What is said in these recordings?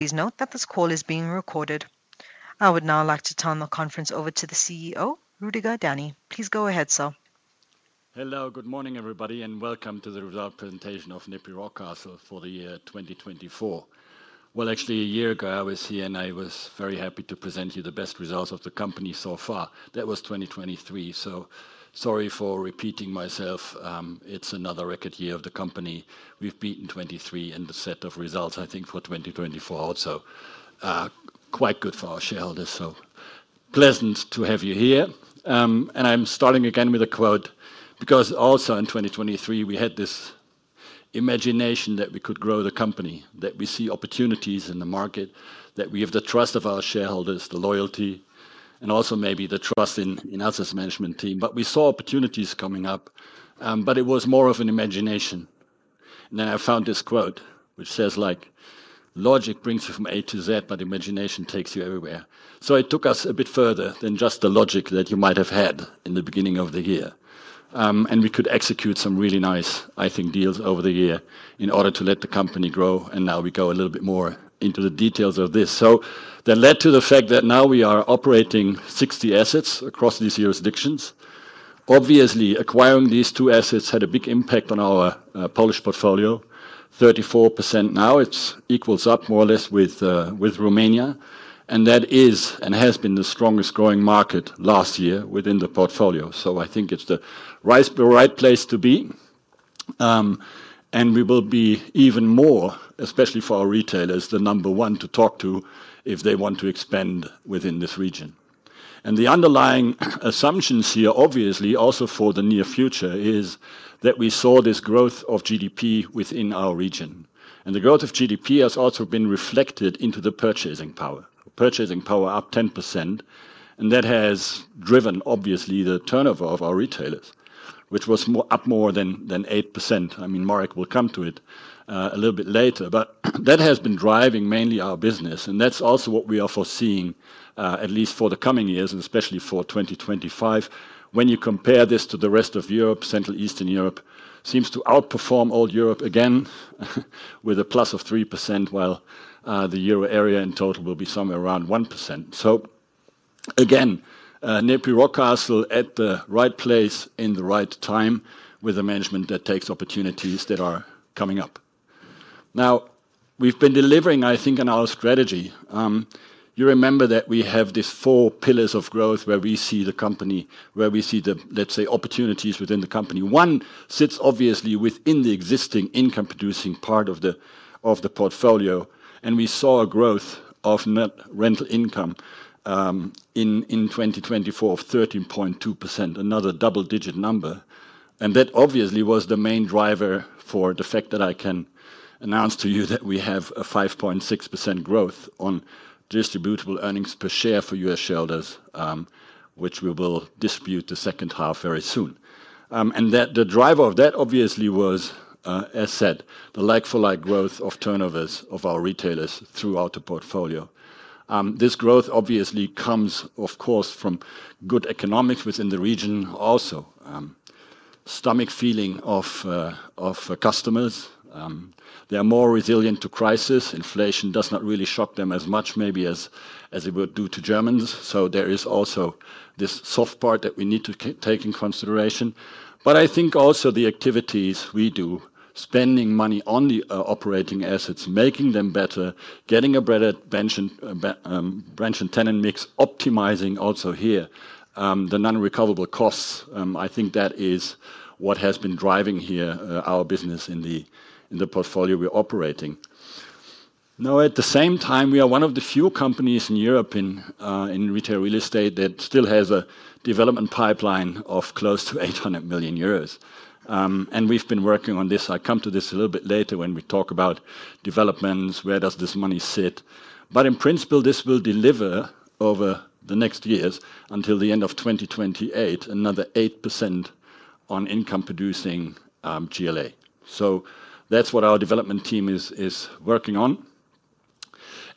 Please note that this call is being recorded. I would now like to turn the conference over to the CEO, Rüdiger Dany. Please go ahead, sir. Hello, good morning everybody, and welcome to the result presentation of NEPI Rockcastle for the year 2024. Well, actually, a year ago I was here, and I was very happy to present you the best results of the company so far. That was 2023, so sorry for repeating myself. It's another record year of the company. We've beaten 2023 in the set of results, I think, for 2024 also. Quite good for our shareholders, so pleasant to have you here. And I'm starting again with a quote, because also in 2023 we had this imagination that we could grow the company, that we see opportunities in the market, that we have the trust of our shareholders, the loyalty, and also maybe the trust in us as a management team. But we saw opportunities coming up, but it was more of an imagination. Then I found this quote, which says, like, "Logic brings you from A to Z, but imagination takes you everywhere." So it took us a bit further than just the logic that you might have had in the beginning of the year. And we could execute some really nice, I think, deals over the year in order to let the company grow. And now we go a little bit more into the details of this. So that led to the fact that now we are operating 60 assets across these jurisdictions. Obviously, acquiring these two assets had a big impact on our Polish portfolio, 34% now. It equals up more or less with Romania. And that is and has been the strongest growing market last year within the portfolio. So I think it's the right place to be. We will be even more, especially for our retailers, the number one to talk to if they want to expand within this region. The underlying assumptions here, obviously, also for the near future, is that we saw this growth of GDP within our region. The growth of GDP has also been reflected into the purchasing power. Purchasing power up 10%. That has driven, obviously, the turnover of our retailers, which was up more than 8%. I mean, Marek will come to it a little bit later. That has been driving mainly our business. That's also what we are foreseeing, at least for the coming years, and especially for 2025. When you compare this to the rest of Europe, Central Eastern Europe seems to outperform old Europe again with a plus of 3%, while the euro area in total will be somewhere around 1%. So again, NEPI Rockcastle at the right place in the right time with a management that takes opportunities that are coming up. Now, we've been delivering, I think, on our strategy. You remember that we have these four pillars of growth where we see the company, where we see the, let's say, opportunities within the company. One sits obviously within the existing income-producing part of the portfolio. And we saw a growth of net rental income in 2024 of 13.2%, another double-digit number. And that obviously was the main driver for the fact that I can announce to you that we have a 5.6% growth on distributable earnings per share for you as shareholders, which we will distribute the second half very soon. And the driver of that obviously was, as said, the like-for-like growth of turnovers of our retailers throughout the portfolio. This growth obviously comes, of course, from good economics within the region also. Stomach feeling of customers. They are more resilient to crisis. Inflation does not really shock them as much, maybe, as it would do to Germans. So there is also this soft part that we need to take into consideration. But I think also the activities we do, spending money on the operating assets, making them better, getting a better brand and tenant mix, optimizing also here the non-recoverable costs. I think that is what has been driving here our business in the portfolio we're operating. Now, at the same time, we are one of the few companies in Europe in retail real estate that still has a development pipeline of close to 800 million euros. We've been working on this. I'll come to this a little bit later when we talk about developments, where does this money sit? But in principle, this will deliver over the next years until the end of 2028, another 8% on income-producing GLA. So that's what our development team is working on.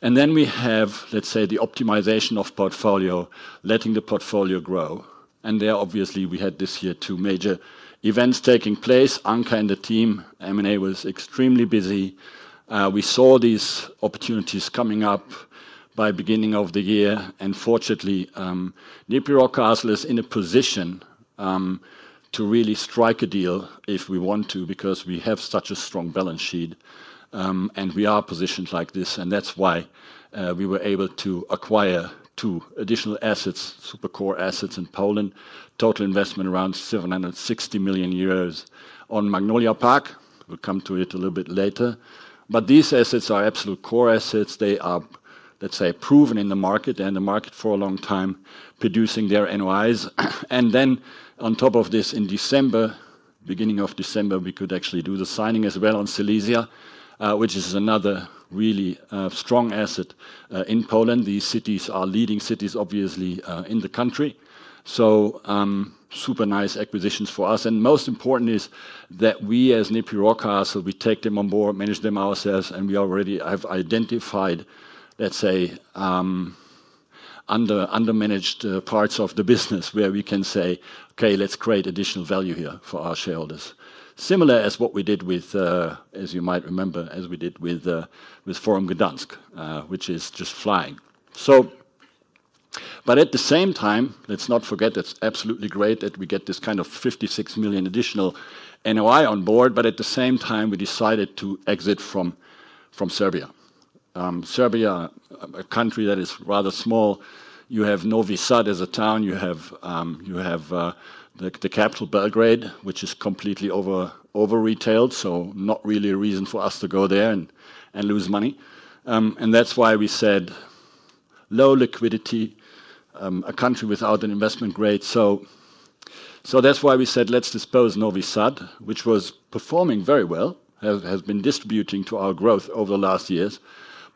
And then we have, let's say, the optimization of portfolio, letting the portfolio grow. And there, obviously, we had this year two major events taking place. Anca and the team, M&A was extremely busy. We saw these opportunities coming up by the beginning of the year. And fortunately, NEPI Rockcastle is in a position to really strike a deal if we want to, because we have such a strong balance sheet and we are positioned like this. And that's why we were able to acquire two additional assets, super core assets in Poland, total investment around 760 million euros on Magnolia Park. We'll come to it a little bit later. But these assets are absolute core assets. They are, let's say, proven in the market and the market for a long time producing their NOIs. And then on top of this, in December, beginning of December, we could actually do the signing as well on Silesia, which is another really strong asset in Poland. These cities are leading cities, obviously, in the country. So super nice acquisitions for us. And most important is that we as NEPI Rockcastle, we take them on board, manage them ourselves. And we already have identified, let's say, under-managed parts of the business where we can say, okay, let's create additional value here for our shareholders. Similar as what we did with, as you might remember, as we did with Forum Gdańsk, which is just flying. But at the same time, let's not forget, it's absolutely great that we get this kind of 56 million additional NOI on board. But at the same time, we decided to exit from Serbia. Serbia, a country that is rather small. You have Novi Sad as a town. You have the capital, Belgrade, which is completely over-retailed. So not really a reason for us to go there and lose money. And that's why we said low liquidity, a country without an investment grade. So that's why we said, let's dispose Novi Sad, which was performing very well, has been distributing to our growth over the last years.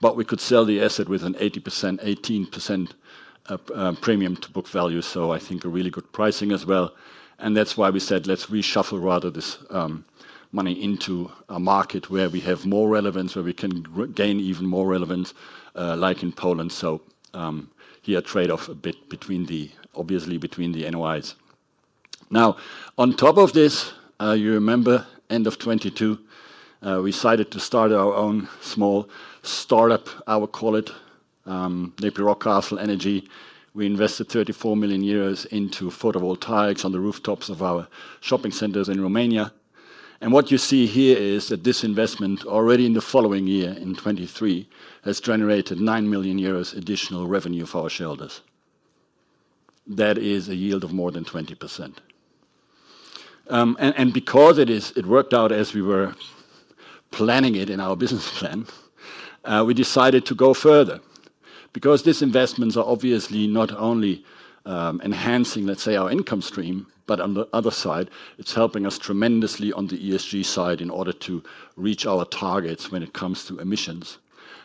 But we could sell the asset with an 18% premium to book value. So I think a really good pricing as well. That's why we said, let's reshuffle rather this money into a market where we have more relevance, where we can gain even more relevance, like in Poland. So here trade-off a bit between the, obviously, between the NOIs. Now, on top of this, you remember end of 2022, we decided to start our own small startup, I will call it, NEPI Rockcastle Energy. We invested 34 million euros into photovoltaics on the rooftops of our shopping centers in Romania. And what you see here is that this investment already in the following year, in 2023, has generated 9 million euros additional revenue for our shareholders. That is a yield of more than 20%. And because it worked out as we were planning it in our business plan, we decided to go further. Because these investments are obviously not only enhancing, let's say, our income stream, but on the other side, it's helping us tremendously on the ESG side in order to reach our targets when it comes to emissions.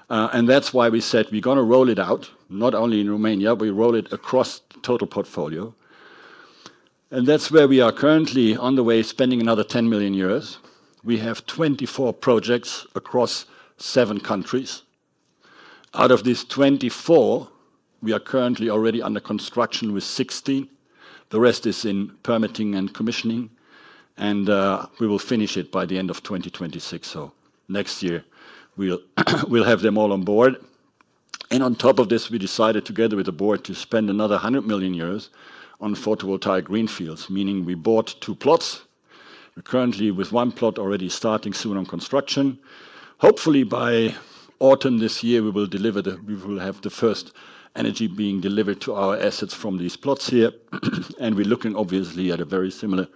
That's why we said we're going to roll it out, not only in Romania; we roll it across total portfolio. That's where we are currently on the way, spending another 10 million euros. We have 24 projects across seven countries. Out of these 24, we are currently already under construction with 16. The rest is in permitting and commissioning. We will finish it by the end of 2026. Next year, we'll have them all on board. On top of this, we decided together with the board to spend another 100 million euros on photovoltaic greenfields, meaning we bought two plots. We're currently with one plot already starting soon on construction. Hopefully, by autumn this year, we will have the first energy being delivered to our assets from these plots here. And we're looking obviously at a very similar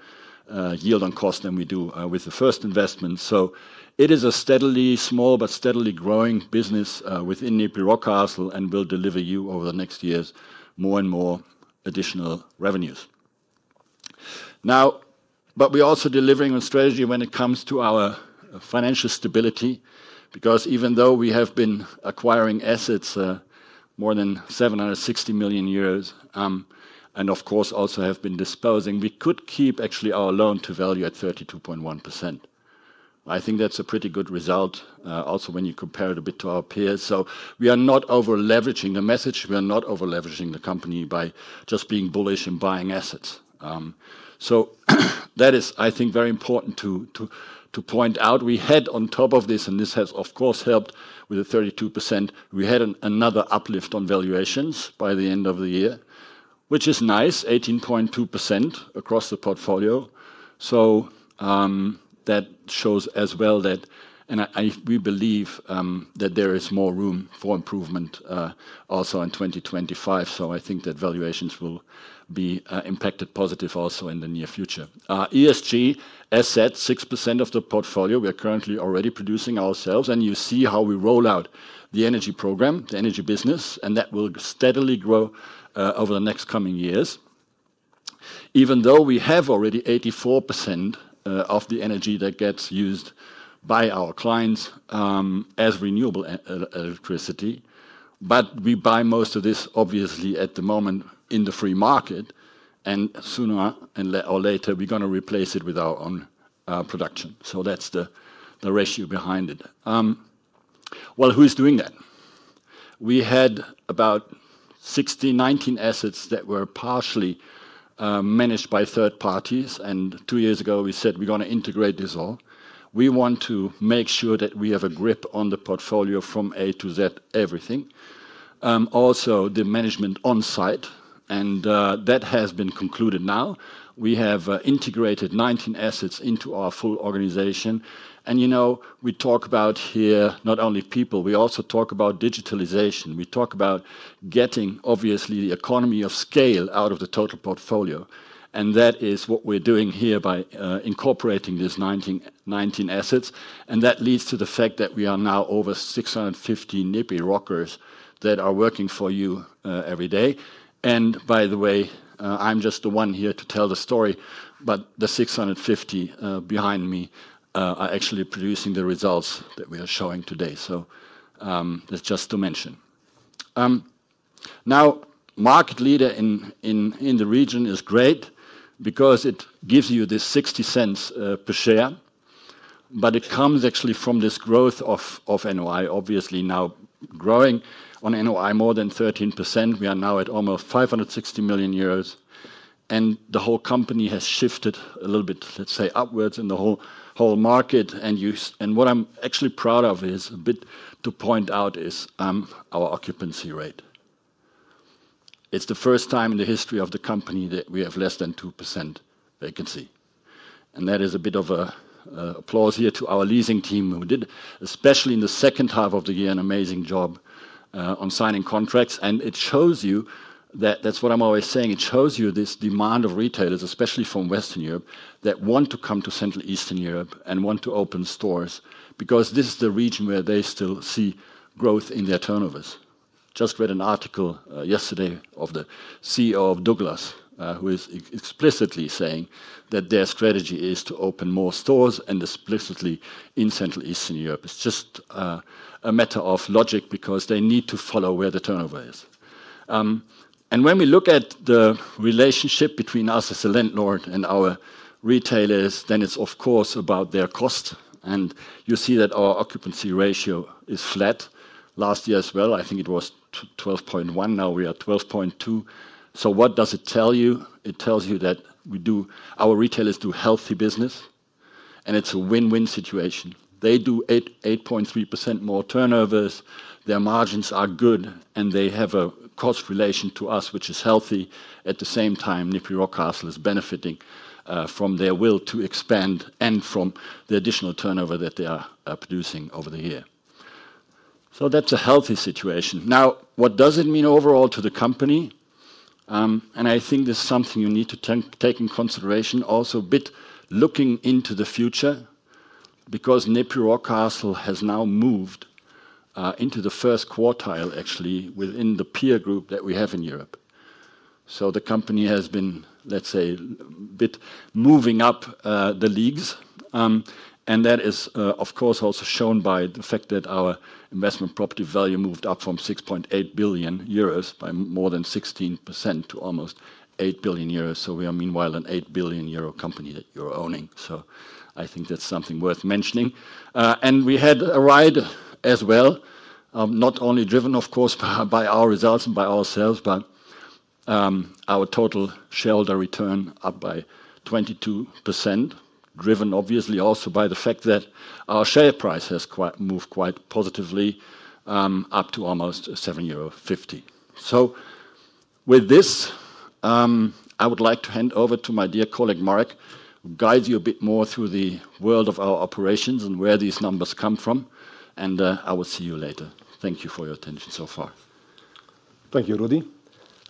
yield on cost than we do with the first investment. So it is a steadily small, but steadily growing business within NEPI Rockcastle and will deliver you over the next years more and more additional revenues. Now, but we're also delivering on strategy when it comes to our financial stability. Because even though we have been acquiring assets more than 760 million euros, and of course also have been disposing, we could keep actually our loan to value at 32.1%. I think that's a pretty good result also when you compare it a bit to our peers. So we are not over-leveraging the message. We are not over-leveraging the company by just being bullish and buying assets. So that is, I think, very important to point out. We had on top of this, and this has of course helped with the 32%, we had another uplift on valuations by the end of the year, which is nice, 18.2% across the portfolio. So that shows as well that, and we believe that there is more room for improvement also in 2025. So I think that valuations will be impacted positive also in the near future. ESG assets, 6% of the portfolio, we are currently already producing ourselves. And you see how we roll out the energy program, the energy business, and that will steadily grow over the next coming years. Even though we have already 84% of the energy that gets used by our clients as renewable electricity. But we buy most of this obviously at the moment in the free market. Sooner or later, we're going to replace it with our own production. So that's the rationale behind it. Well, who is doing that? We had about 16, 19 assets that were partially managed by third parties. And two years ago, we said we're going to integrate this all. We want to make sure that we have a grip on the portfolio from A to Z, everything. Also the management on site. And that has been concluded now. We have integrated 19 assets into our full organization. And you know, we talk about here not only people, we also talk about digitalization. We talk about getting obviously the economy of scale out of the total portfolio. And that is what we're doing here by incorporating these 19 assets. And that leads to the fact that we are now over 650 NEPI Rockcastlers that are working for you every day. And by the way, I'm just the one here to tell the story. But the 650 behind me are actually producing the results that we are showing today. So that's just to mention. Now, market leader in the region is great because it gives you this 0.60 per share. But it comes actually from this growth of NOI, obviously now growing on NOI more than 13%. We are now at almost 560 million euros. And the whole company has shifted a little bit, let's say, upwards in the whole market. And what I'm actually proud of is a bit to point out is our occupancy rate. It's the first time in the history of the company that we have less than 2% vacancy. And that is a bit of an applause here to our leasing team. We did, especially in the second half of the year, an amazing job on signing contracts, and it shows you that, that's what I'm always saying. It shows you this demand of retailers, especially from Western Europe, that want to come to Central Eastern Europe and want to open stores. Because this is the region where they still see growth in their turnovers. Just read an article yesterday of the CEO of Douglas, who is explicitly saying that their strategy is to open more stores and explicitly in Central Eastern Europe. It's just a matter of logic because they need to follow where the turnover is. And when we look at the relationship between us as a landlord and our retailers, then it's of course about their cost. And you see that our occupancy ratio is flat. Last year as well, I think it was 12.1. Now we are 12.2. So what does it tell you? It tells you that our retailers do healthy business. And it's a win-win situation. They do 8.3% more turnovers. Their margins are good. And they have a cost relation to us, which is healthy. At the same time, NEPI Rockcastle is benefiting from their will to expand and from the additional turnover that they are producing over the year. So that's a healthy situation. Now, what does it mean overall to the company? And I think this is something you need to take into consideration also a bit looking into the future. Because NEPI Rockcastle has now moved into the first quartile actually within the peer group that we have in Europe. So the company has been, let's say, a bit moving up the leagues. And that is of course also shown by the fact that our investment property value moved up from 6.8 billion euros by more than 16% to almost 8 billion euros. So we are meanwhile an 8 billion euro company that you're owning. So I think that's something worth mentioning. And we had a ride as well, not only driven of course by our results and by ourselves, but our total shareholder return up by 22%, driven obviously also by the fact that our share price has moved quite positively up to almost 7.50 euro. So with this, I would like to hand over to my dear colleague Marek, guide you a bit more through the world of our operations and where these numbers come from. And I will see you later. Thank you for your attention so far. Thank you, Rudi.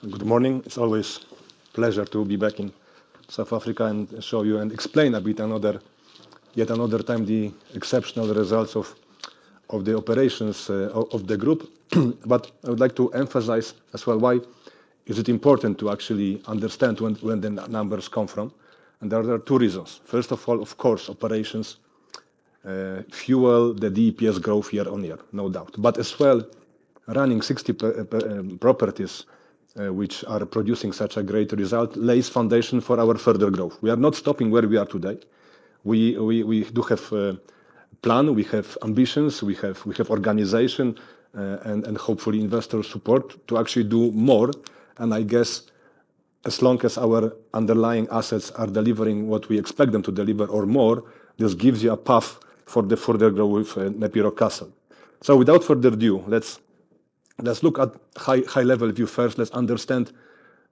Good morning. It's always a pleasure to be back in South Africa and show you and explain a bit another, yet another time the exceptional results of the operations of the group. I would like to emphasize as well why it is important to actually understand where the numbers come from. There are two reasons. First of all, of course, operations fuel the DEPS growth year-on-year, no doubt. As well, running 60 properties which are producing such a great result lays foundation for our further growth. We are not stopping where we are today. We do have a plan. We have ambitions. We have organization and hopefully investor support to actually do more. I guess as long as our underlying assets are delivering what we expect them to deliver or more, this gives you a path for the further growth with NEPI Rockcastle. So without further ado, let's look at high-level view first. Let's understand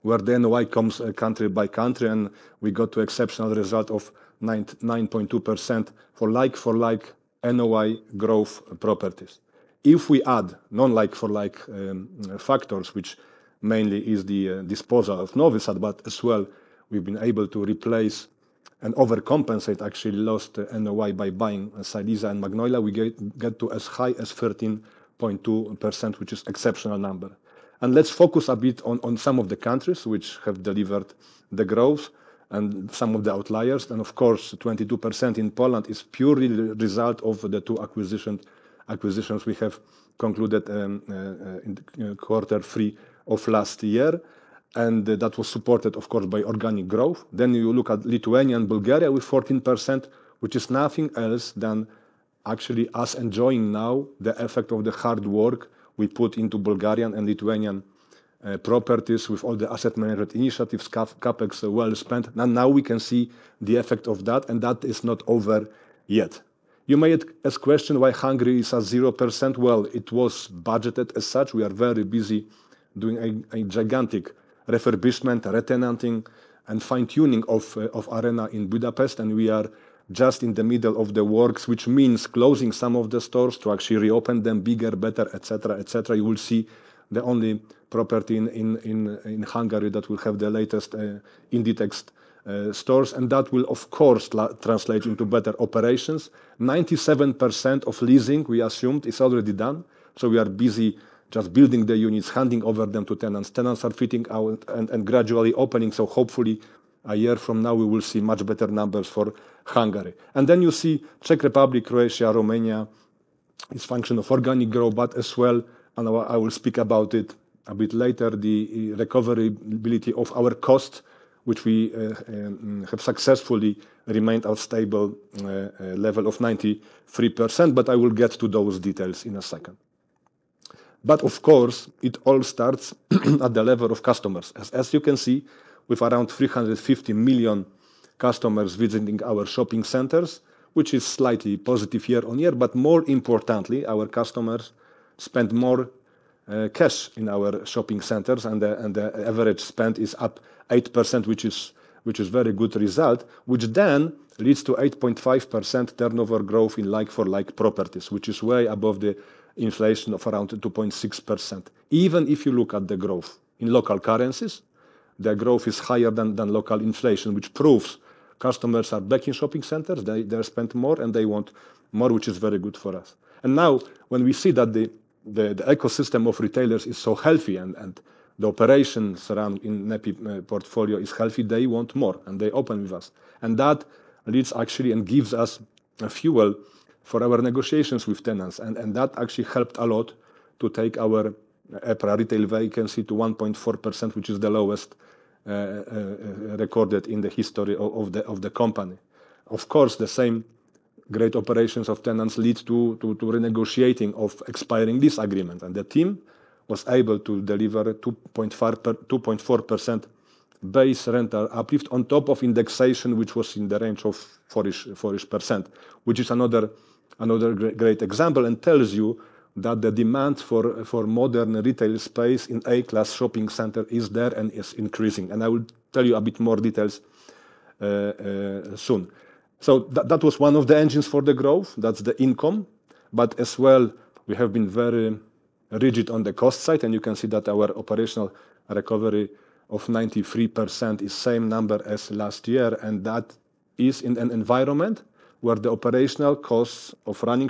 where the NOI comes country by country. And we got to exceptional result of 9.2% for like-for-like NOI growth properties. If we add non-like-for-like factors, which mainly is the disposal of Novi Sad, but as well we've been able to replace and overcompensate actually lost NOI by buying Silesia and Magnolia, we get to as high as 13.2%, which is an exceptional number. And let's focus a bit on some of the countries which have delivered the growth and some of the outliers. And of course, 22% in Poland is purely the result of the two acquisitions we have concluded in quarter three of last year. And that was supported of course by organic growth. You look at Lithuania and Bulgaria with 14%, which is nothing else than actually us enjoying now the effect of the hard work we put into Bulgarian and Lithuanian properties with all the asset management initiatives, CapEx well spent. Now we can see the effect of that. That is not over yet. You may ask question why Hungary is at 0%. It was budgeted as such. We are very busy doing a gigantic refurbishment, retenanting and fine-tuning of Arena in Budapest. We are just in the middle of the works, which means closing some of the stores to actually reopen them bigger, better, et cetera, et cetera. You will see the only property in Hungary that will have the latest Inditex stores. That will of course translate into better operations. 97% of leasing we assumed is already done. We are busy just building the units, handing over them to tenants. Tenants are fitting out and gradually opening. Hopefully a year from now we will see much better numbers for Hungary. Then you see Czech Republic, Croatia, Romania is function of organic growth, but as well, and I will speak about it a bit later, the recoverability of our cost, which we have successfully remained at a stable level of 93%. I will get to those details in a second. Of course, it all starts at the level of customers. As you can see, with around 350 million customers visiting our shopping centers, which is slightly positive Year-on-year More importantly, our customers spend more cash in our shopping centers. And the average spend is up 8%, which is a very good result, which then leads to 8.5% turnover growth in like-for-like properties, which is way above the inflation of around 2.6%. Even if you look at the growth in local currencies, the growth is higher than local inflation, which proves customers are back in shopping centers. They spend more and they want more, which is very good for us. And now when we see that the ecosystem of retailers is so healthy and the operations around in NEPI portfolio is healthy, they want more and they open with us. And that leads actually and gives us fuel for our negotiations with tenants. And that actually helped a lot to take our retail vacancy to 1.4%, which is the lowest recorded in the history of the company. Of course, the same great operations of tenants lead to renegotiating of expiring this agreement. The team was able to deliver 2.4% base rental uplift on top of indexation, which was in the range of 40%, which is another great example and tells you that the demand for modern retail space in A-class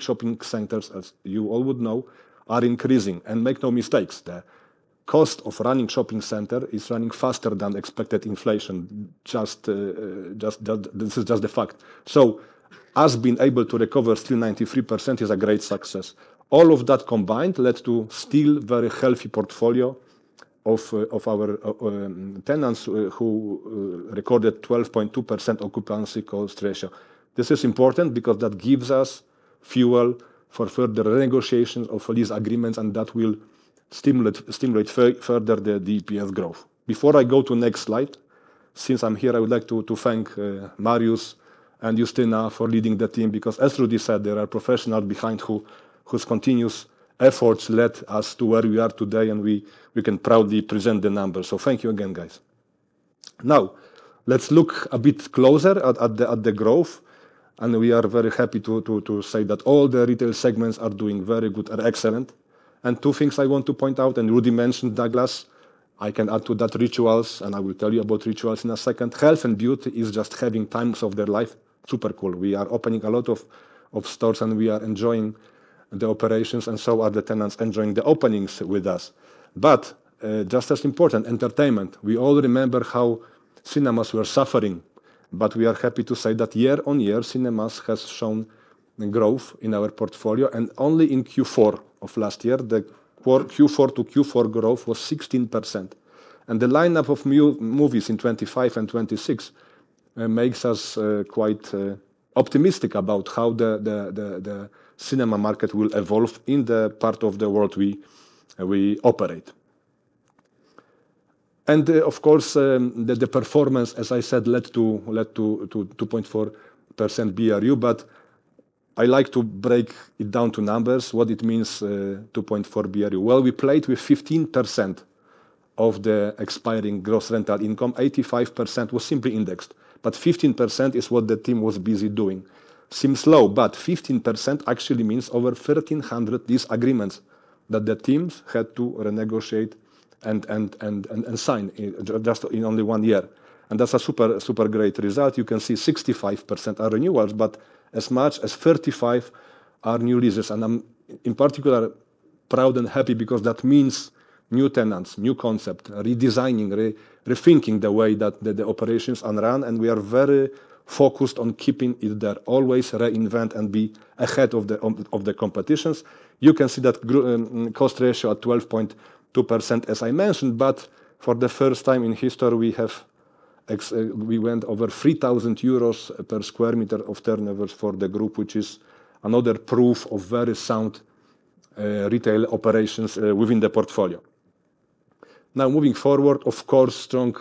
shopping center is there and is increasing. but we are happy to say that year-on-year, cinemas has shown growth in our portfolio. And only in Q4 of last year, the Q4 to Q4 growth was 16%. And the lineup of movies in 2025 and 2026 makes us quite optimistic about how the cinema market will evolve in the part of the world we operate. And of course, the performance, as I said, led to 2.4% BRU. But I like to break it down to numbers. What it means, 2.4 BRU. We played with 15% of the expiring gross rental income. 85% was simply indexed, but 15% is what the team was busy doing. Seems low, but 15% actually means over 1,300 of these agreements that the teams had to renegotiate and sign just in only one year. That's a super great result. You can see 65% are renewals, but as much as 35% are new leases. I'm particularly proud and happy because that means new tenants, new concepts, redesigning, rethinking the way that the operations are run. We are very focused on keeping it there. Always reinvent and be ahead of the competition. You can see that cost ratio at 12.2%, as I mentioned. For the first time in history, we went over 3,000 euros per square meter of turnover for the group, which is another proof of very sound retail operations within the portfolio. Now moving forward, of course, strong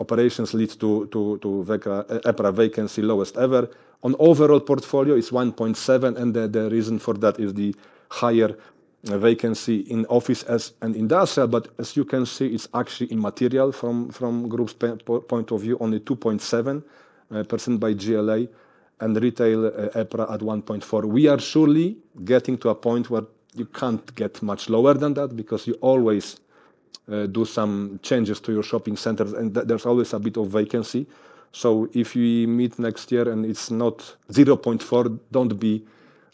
operations lead to EPRA vacancy lowest ever. On overall portfolio, it's 1.7%. The reason for that is the higher vacancy in office and industrial. But as you can see, it's actually immaterial from the group's point of view, only 2.7% by GLA and retail EPRA at 1.4%. We are surely getting to a point where you can't get much lower than that because you always do some changes to your shopping centers. There's always a bit of vacancy. If you meet next year and it's not 0.4%,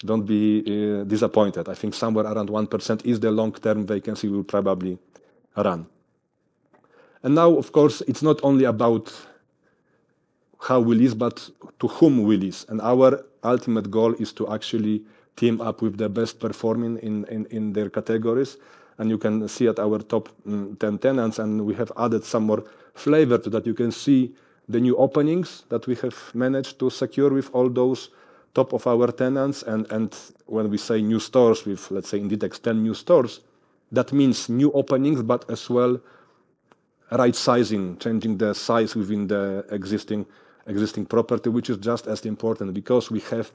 don't be disappointed. I think somewhere around 1% is the long-term vacancy we will probably run. Now, of course, it's not only about how we lease, but to whom we lease. Our ultimate goal is to actually team up with the best performing in their categories. And you can see at our top 10 tenants. And we have added some more flavor to that. You can see the new openings that we have managed to secure with all those top of our tenants. And when we say new stores with, let's say, Inditex 10 new stores, that means new openings, but as well right sizing, changing the size within the existing property, which is just as important because we have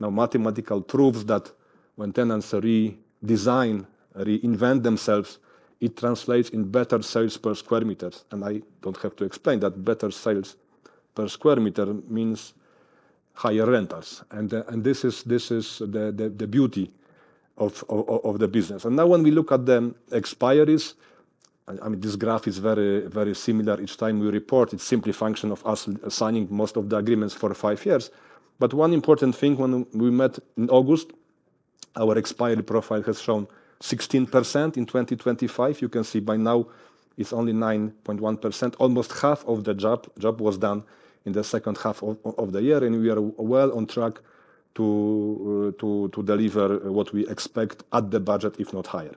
now mathematical proofs that when tenants redesign, reinvent themselves, it translates in better sales per square meters. And I don't have to explain that better sales per square meter means higher rentals. And this is the beauty of the business. And now when we look at the expiries, I mean, this graph is very similar. Each time we report, it's simply a function of us signing most of the agreements for five years. One important thing, when we met in August, our expiry profile has shown 16% in 2025. You can see by now it's only 9.1%. Almost half of the job was done in the second half of the year. We are well on track to deliver what we expect at the budget, if not higher.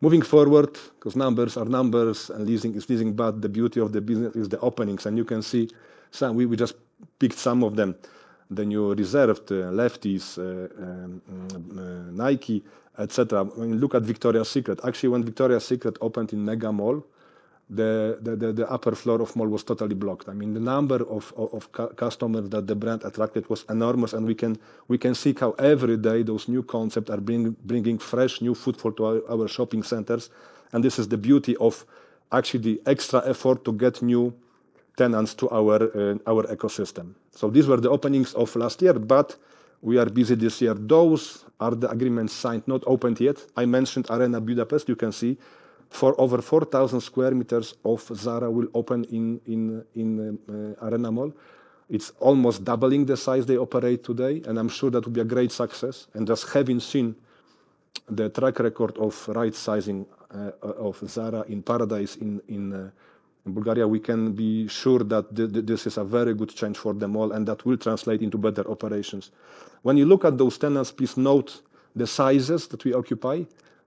Moving forward, because numbers are numbers and leasing is leasing, but the beauty of the business is the openings. You can see we just picked some of them, the new Reserved, Lefties, Nike, et cetera. When you look at Victoria's Secret, actually when Victoria's Secret opened in Mega Mall, the upper floor of the mall was totally blocked. I mean, the number of customers that the brand attracted was enormous. We can see how every day those new concepts are bringing fresh new footfall for our shopping centers. This is the beauty of actually the extra effort to get new tenants to our ecosystem. These were the openings of last year, but we are busy this year. Those are the agreements signed, not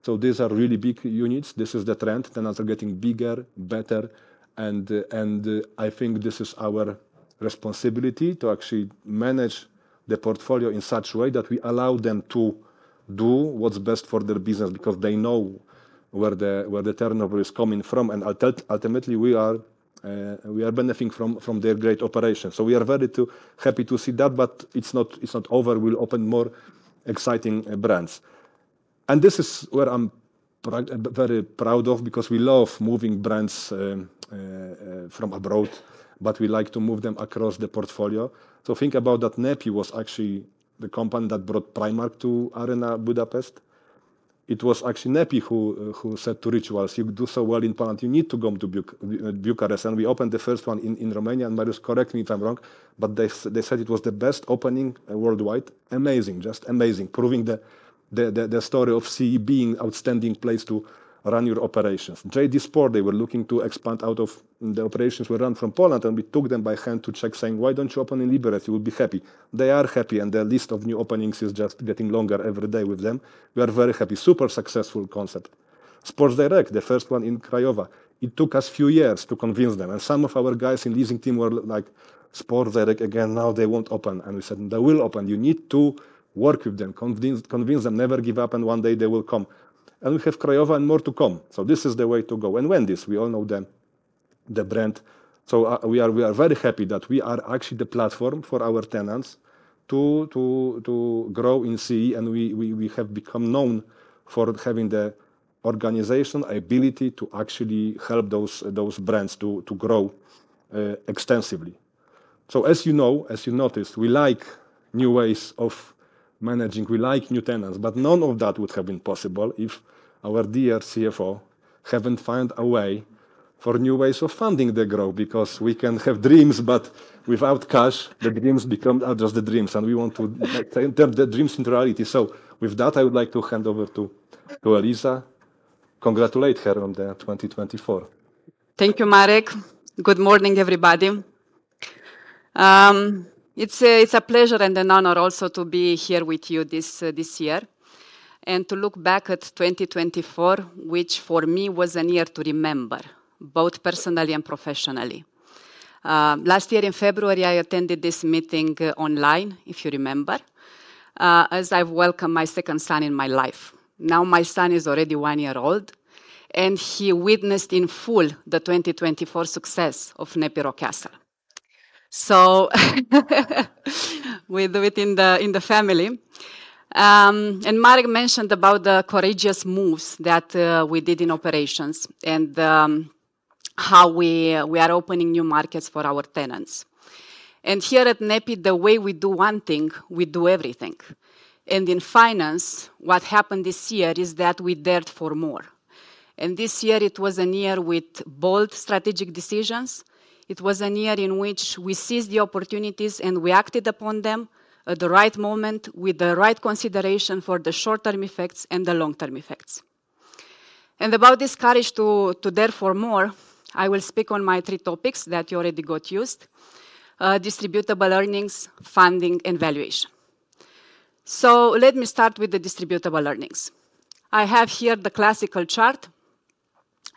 opened yet. I mentioned Arena Mall. You can see for over 4,000 sq m of Zara will open in Arena Mall. It's almost doubling the size they operate today. And I'm sure that would be a great success. And just having seen the track record of right sizing of Zara in Paradise Center in Bulgaria, we can be sure that this is a very good change for the mall and that will translate into better operations. When you look at those tenants, please note the sizes that we occupy. These are really big units. This is the trend. Tenants are getting bigger, better. And I think this is our responsibility to actually manage the portfolio in such a way that we allow them to do what's best for their business because they know where the turnover is coming from. And ultimately, we are benefiting from their great operations. So we are very happy to see that, but it's not over. We'll open more exciting brands. And this is where I'm very proud of because we love moving brands from abroad, but we like to move them across the portfolio. So think about that. NEPI was actually the company that brought Primark to Arena Budapest. It was actually NEPI who said to Rituals, "You do so well in Poland. You need to go to Bucharest." And we opened the first one in Romania. And Marius, correct me if I'm wrong, but they said it was the best opening worldwide. Amazing, just amazing. Proving the story of CE being an outstanding place to run your operations. JD Sports, they were looking to expand out of the operations we run from Poland. And we took them by hand to check, saying, "Why don't you open in Liberec? You will be happy." They are happy. And the list of new openings is just getting longer every day with them. We are very happy. Super successful concept. Sports Direct, the first one in Craiova. It took us a few years to convince them. And some of our guys in the leasing team were like, "Sports Direct again, now they won't open." And we said, "They will open. You need to work with them, convince them, never give up. And one day they will come." And we have Craiova and more to come. So this is the way to go. And Wendy's, we all know the brand. So we are very happy that we are actually the platform for our tenants to grow in CE. And we have become known for having the organization, ability to actually help those brands to grow extensively. So as you know, as you noticed, we like new ways of managing. We like new tenants. But none of that would have been possible if our dear CFO hadn't found a way for new ways of funding the growth. Because we can have dreams, but without cash, the dreams become just the dreams. And we want to turn the dreams into reality. So with that, I would like to hand over to Eliza. Congratulate her on the 2024. Thank you, Marek. Good morning, everybody. It's a pleasure and an honor also to be here with you this year and to look back at 2024, which for me was a year to remember, both personally and professionally. Last year in February, I attended this meeting online, if you remember, as I welcomed my second son in my life. Now my son is already one year old. And he witnessed in full the 2024 success of NEPI Rockcastle. So within the family, and Marek mentioned about the courageous moves that we did in operations and how we are opening new markets for our tenants. And here at NEPI, the way we do one thing, we do everything. And in finance, what happened this year is that we dared for more. And this year, it was a year with bold strategic decisions. It was a year in which we seized the opportunities and we acted upon them at the right moment with the right consideration for the short-term effects and the long-term effects. And about this courage to dare for more, I will speak on my three topics that you already got used to: distributable earnings, funding, and valuation. So let me start with the distributable earnings. I have here the classical chart.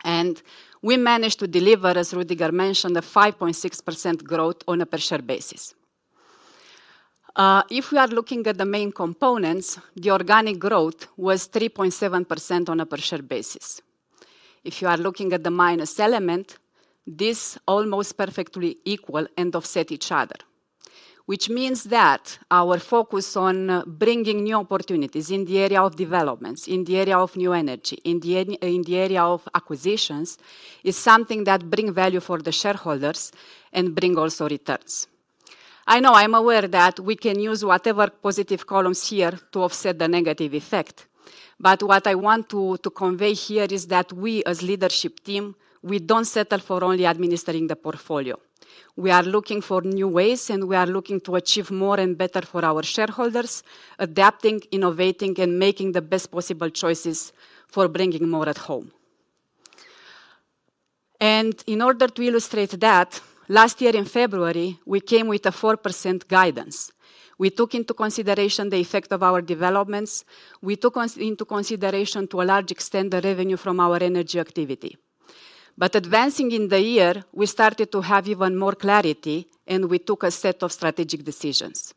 And we managed to deliver, as Rüdiger mentioned, a 5.6% growth on a per-share basis. If we are looking at the main components, the organic growth was 3.7% on a per-share basis. If you are looking at the minus element, these almost perfectly equal and offset each other, which means that our focus on bringing new opportunities in the area of developments, in the area of new energy, in the area of acquisitions is something that brings value for the shareholders and brings also returns. I know, I'm aware that we can use whatever positive columns here to offset the negative effect. But what I want to convey here is that we, as a leadership team, we don't settle for only administering the portfolio. We are looking for new ways, and we are looking to achieve more and better for our shareholders, adapting, innovating, and making the best possible choices for bringing more at home. In order to illustrate that, last year in February, we came with a 4% guidance. We took into consideration the effect of our developments. We took into consideration, to a large extent, the revenue from our energy activity. But advancing in the year, we started to have even more clarity, and we took a set of strategic decisions.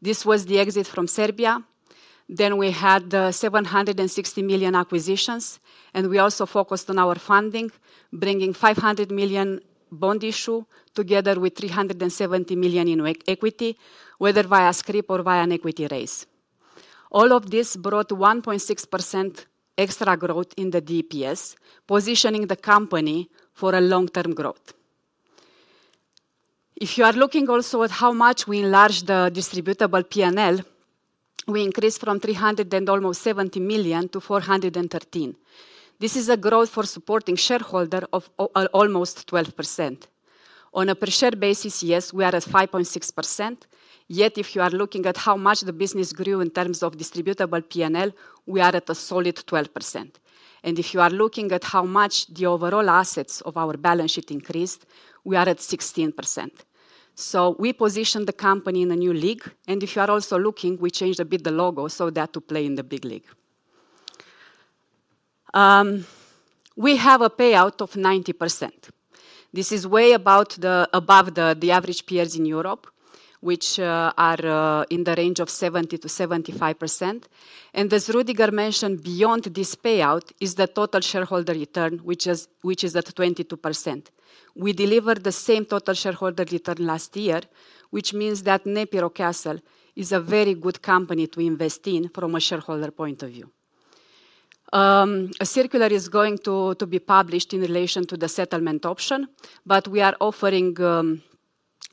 This was the exit from Serbia. Then we had 760 million acquisitions, and we also focused on our funding, bringing 500 million bond issue together with 370 million in equity, whether via scrip or via an equity raise. All of this brought 1.6% extra growth in the DPS, positioning the company for a long-term growth. If you are looking also at how much we enlarged the distributable P&L, we increased from 370 million to 413 million. This is a growth for supporting shareholders of almost 12%. On a per-share basis, yes, we are at 5.6%. Yet if you are looking at how much the business grew in terms of distributable P&L, we are at a solid 12%. If you are looking at how much the overall assets of our balance sheet increased, we are at 16%. So we positioned the company in a new league. If you are also looking, we changed a bit the logo so that to play in the big league. We have a payout of 90%. This is way above the average peers in Europe, which are in the range of 70%-75%. As Rüdiger mentioned, beyond this payout is the total shareholder return, which is at 22%. We delivered the same total shareholder return last year, which means that NEPI Rockcastle is a very good company to invest in from a shareholder point of view. A circular is going to be published in relation to the settlement option, but we are offering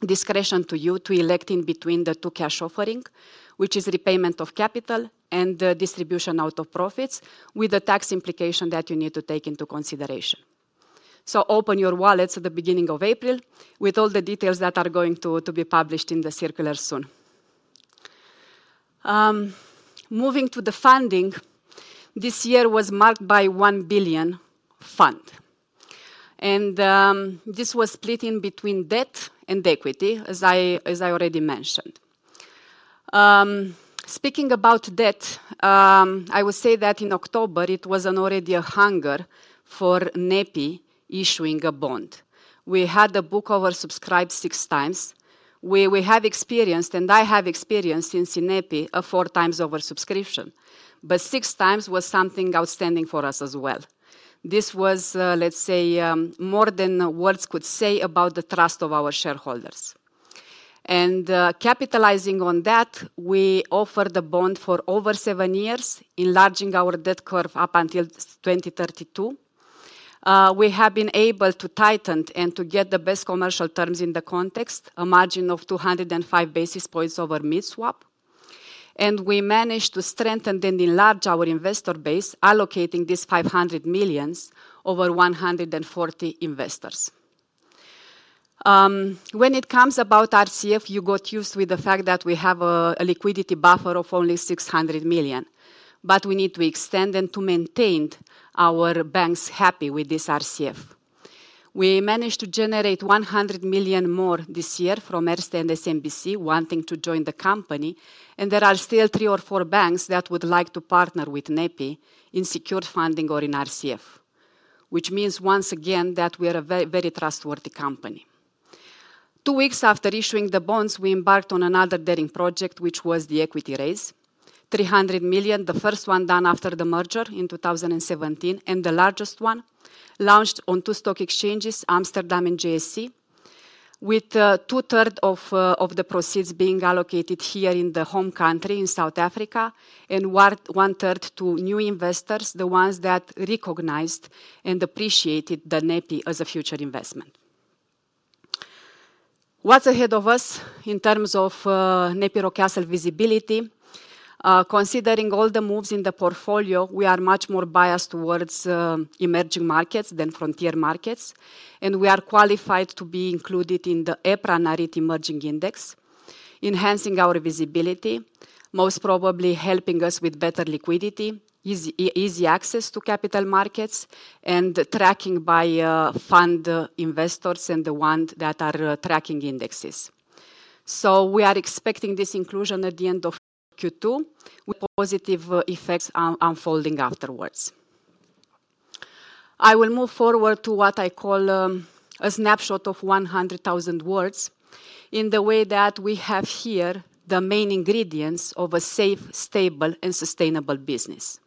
discretion to you to elect in between the two cash offerings, which is repayment of capital and distribution out of profits with the tax implication that you need to take into consideration. So open your wallets at the beginning of April with all the details that are going to be published in the circular soon. Moving to the funding, this year was marked by a 1 billion fund, and this was split in between debt and equity, as I already mentioned. Speaking about debt, I would say that in October, it was already a hunger for NEPI issuing a bond. We had the book oversubscribed six times. We have experienced, and I have experienced in NEPI, a four times oversubscription. But six times was something outstanding for us as well. This was, let's say, more than words could say about the trust of our shareholders. And capitalizing on that, we offered the bond for over seven years, enlarging our debt curve up until 2032. We have been able to tighten and to get the best commercial terms in the context, a margin of 205 basis points over mid-swap. And we managed to strengthen and enlarge our investor base, allocating these 500 million over 140 investors. When it comes about RCF, you got used to the fact that we have a liquidity buffer of only 600 million. But we need to extend and to maintain our banks happy with this RCF. We managed to generate 100 million more this year from HSBC, wanting to join the company. And there are still three or four banks that would like to partner with NEPI in secured funding or in RCF, which means once again that we are a very trustworthy company. Two weeks after issuing the bonds, we embarked on another daring project, which was the equity raise, 300 million, the first one done after the merger in 2017 and the largest one, launched on two stock exchanges, Amsterdam and JSE, with two-thirds of the proceeds being allocated here in the home country in South Africa and one-third to new investors, the ones that recognized and appreciated the NEPI as a future investment. What's ahead of us in terms of NEPI Rockcastle visibility? Considering all the moves in the portfolio, we are much more biased towards emerging markets than frontier markets. We are qualified to be included in the EPRA Nareit Emerging Index, enhancing our visibility, most probably helping us with better liquidity, easy access to capital markets, and tracking by fund investors and the ones that are tracking indexes. We are expecting this inclusion at the end of Q2 with positive effects unfolding afterwards. I will move forward to what I call a snapshot of 100,000 words in the way that we have here the main ingredients of a safe, stable, and sustainable business.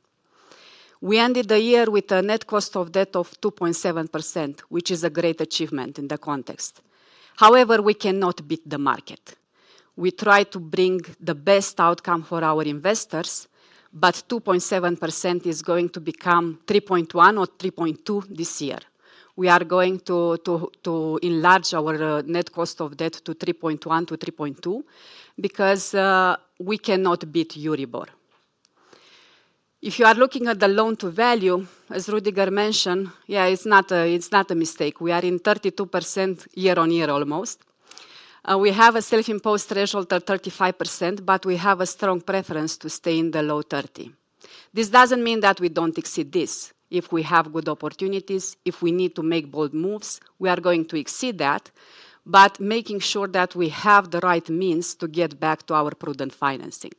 We ended the year with a net cost of debt of 2.7%, which is a great achievement in the context. However, we cannot beat the market. We try to bring the best outcome for our investors, but 2.7% is going to become 3.1% or 3.2% this year. We are going to enlarge our net cost of debt to 3.1% to 3.2% because we cannot beat Euribor. If you are looking at the loan to value, as Rüdiger mentioned, yeah, it's not a mistake. We are in 32% year-on-year almost. We have a self-imposed threshold at 35%, but we have a strong preference to stay in the low 30%. This doesn't mean that we don't exceed this if we have good opportunities. If we need to make bold moves, we are going to exceed that, but making sure that we have the right means to get back to our prudent financing.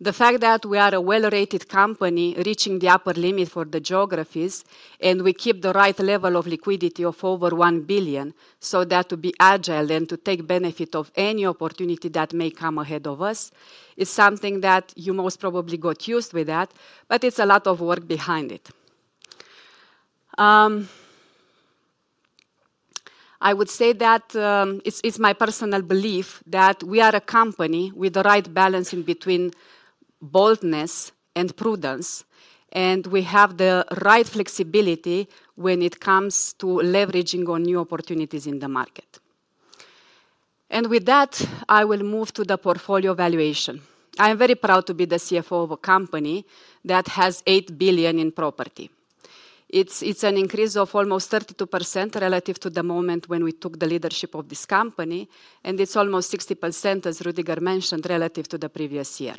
The fact that we are a well-rated company reaching the upper limit for the geographies and we keep the right level of liquidity of over 1 billion so that to be agile and to take benefit of any opportunity that may come ahead of us is something that you most probably got used with that, but it's a lot of work behind it. I would say that it's my personal belief that we are a company with the right balance in between boldness and prudence, and we have the right flexibility when it comes to leveraging on new opportunities in the market. And with that, I will move to the portfolio valuation. I am very proud to be the CFO of a company that has 8 billion in property. It's an increase of almost 32% relative to the moment when we took the leadership of this company. It's almost 60%, as Rüdiger mentioned, relative to the previous year.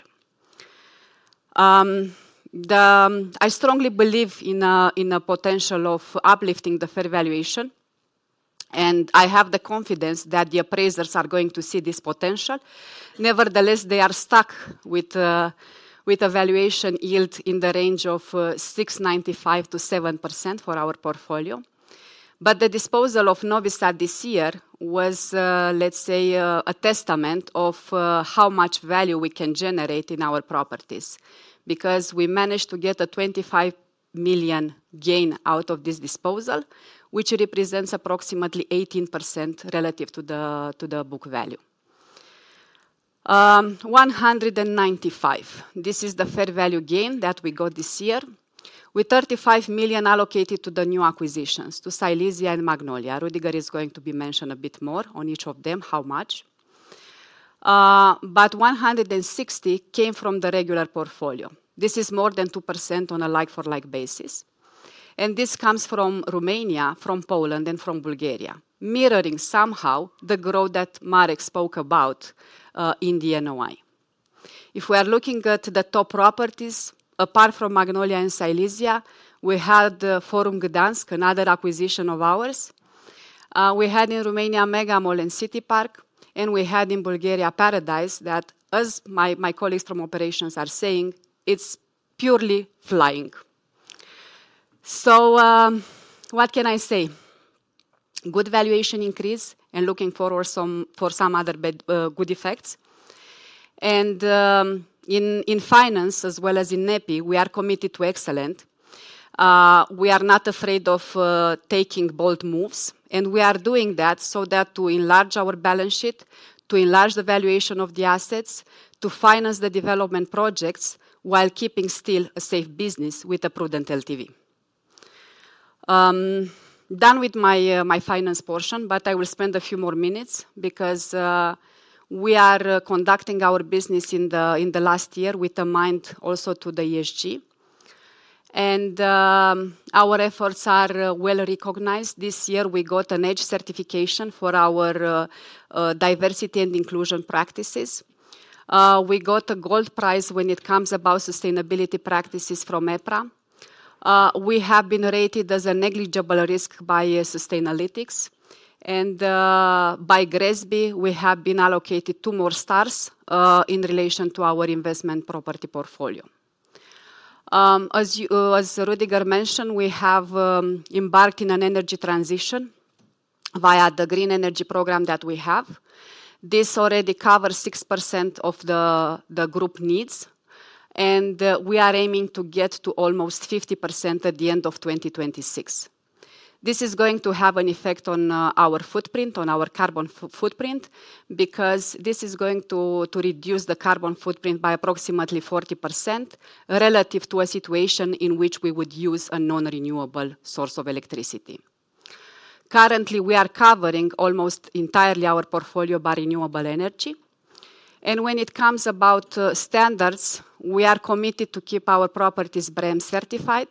I strongly believe in the potential of uplifting the fair valuation. I have the confidence that the appraisers are going to see this potential. Nevertheless, they are stuck with a valuation yield in the range of 6.95%-7% for our porfolio. The disposal of Novi Sad this year was, let's say, a testament of how much value we can generate in our properties because we managed to get a 25 million gain out of this disposal, which represents approximately 18% relative to the book value. 195 million, this is the fair value gain that we got this year with 35 million allocated to the new acquisitions to Silesia and Magnolia. Rüdiger is going to be mentioned a bit more on each of them, how much. 160 million came from the regular portfolio. This is more than 2% on a like-for-like basis. And this comes from Romania, from Poland, and from Bulgaria, mirroring somehow the growth that Marek spoke about in the NOI. If we are looking at the top properties, apart from Magnolia and Silesia, we had Forum Gdańsk, another acquisition of ours. We had in Romania Mega Mall and City Park, and we had in Bulgaria Paradise that, as my colleagues from operations are saying, it's purely flying. So what can I say? Good valuation increase and looking forward for some other good effects. And in finance, as well as in NEPI, we are committed to excellence. We are not afraid of taking bold moves. And we are doing that so that to enlarge our balance sheet, to enlarge the valuation of the assets, to finance the development projects while keeping still a safe business with a prudent LTV. Done with my finance portion, but I will spend a few more minutes because we are conducting our business in the last year with a mind also to the ESG. And our efforts are well recognized. This year, we got an EDGE certification for our diversity and inclusion practices. We got a gold prize when it comes to sustainability practices from EPRA. We have been rated as a negligible risk by Sustainalytics. And by GRESB, we have been allocated two more stars in relation to our investment property portfolio. As Rüdiger mentioned, we have embarked on an energy transition via the green energy program that we have. This already covers 6% of the group needs. And we are aiming to get to almost 50% at the end of 2026. This is going to have an effect on our footprint, on our carbon footprint, because this is going to reduce the carbon footprint by approximately 40% relative to a situation in which we would use a non-renewable source of electricity. Currently, we are covering almost entirely our portfolio by renewable energy. And when it comes about standards, we are committed to keep our properties BREEAM certified.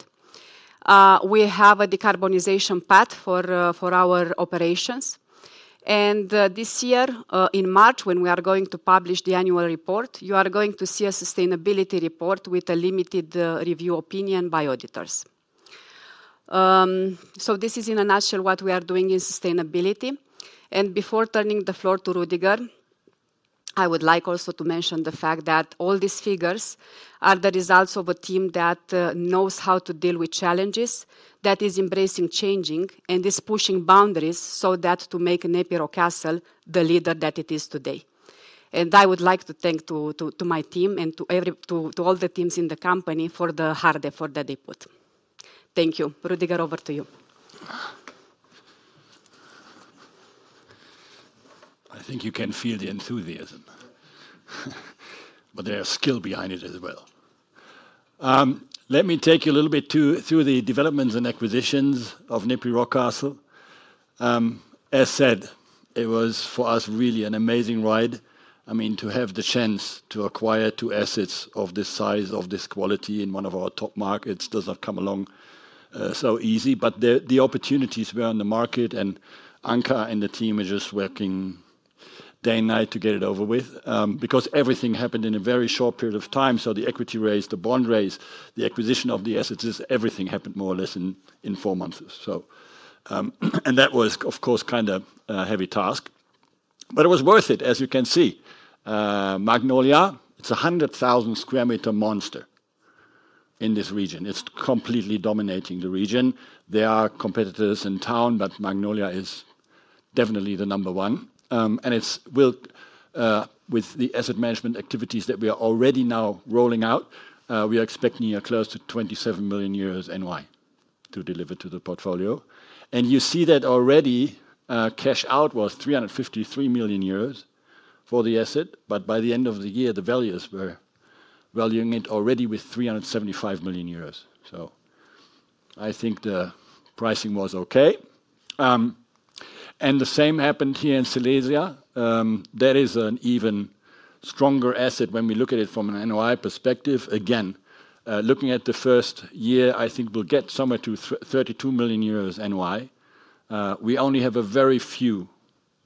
We have a decarbonization path for our operations. And this year, in March, when we are going to publish the annual report, you are going to see a sustainability report with a limited review opinion by auditors. So this is in a nutshell what we are doing in sustainability. Before turning the floor to Rüdiger, I would like also to mention the fact that all these figures are the results of a team that knows how to deal with challenges, that is embracing change, and is pushing boundaries so that to make NEPI Rockcastle the leader that it is today. I would like to thank my team and to all the teams in the company for the hard effort that they put. Thank you. Rüdiger, over to you. I think you can feel the enthusiasm, but there is skill behind it as well. Let me take you a little bit through the developments and acquisitions of NEPI Rockcastle. As said, it was for us really an amazing ride. I mean, to have the chance to acquire two assets of this size, of this quality in one of our top markets does not come along so easy. But the opportunities were on the market, and Anca and the team were just working day and night to get it over with because everything happened in a very short period of time. So the equity raise, the bond raise, the acquisition of the assets, everything happened more or less in four months. And that was, of course, kind of a heavy task. But it was worth it, as you can see. Magnolia, it's a 100,000 square meter monster in this region. It's completely dominating the region. There are competitors in town, but Magnolia is definitely the number one. And with the asset management activities that we are already now rolling out, we are expecting close to 27 million euros NOI to deliver to the portfolio. And you see that already cash out was 353 million euros for the asset. By the end of the year, the values were valuing it already with 375 million euros. I think the pricing was okay. The same happened here in Silesia. That is an even stronger asset when we look at it from an NOI perspective. Again, looking at the first year, I think we'll get somewhere to 32 million euros NOI. We only have a very few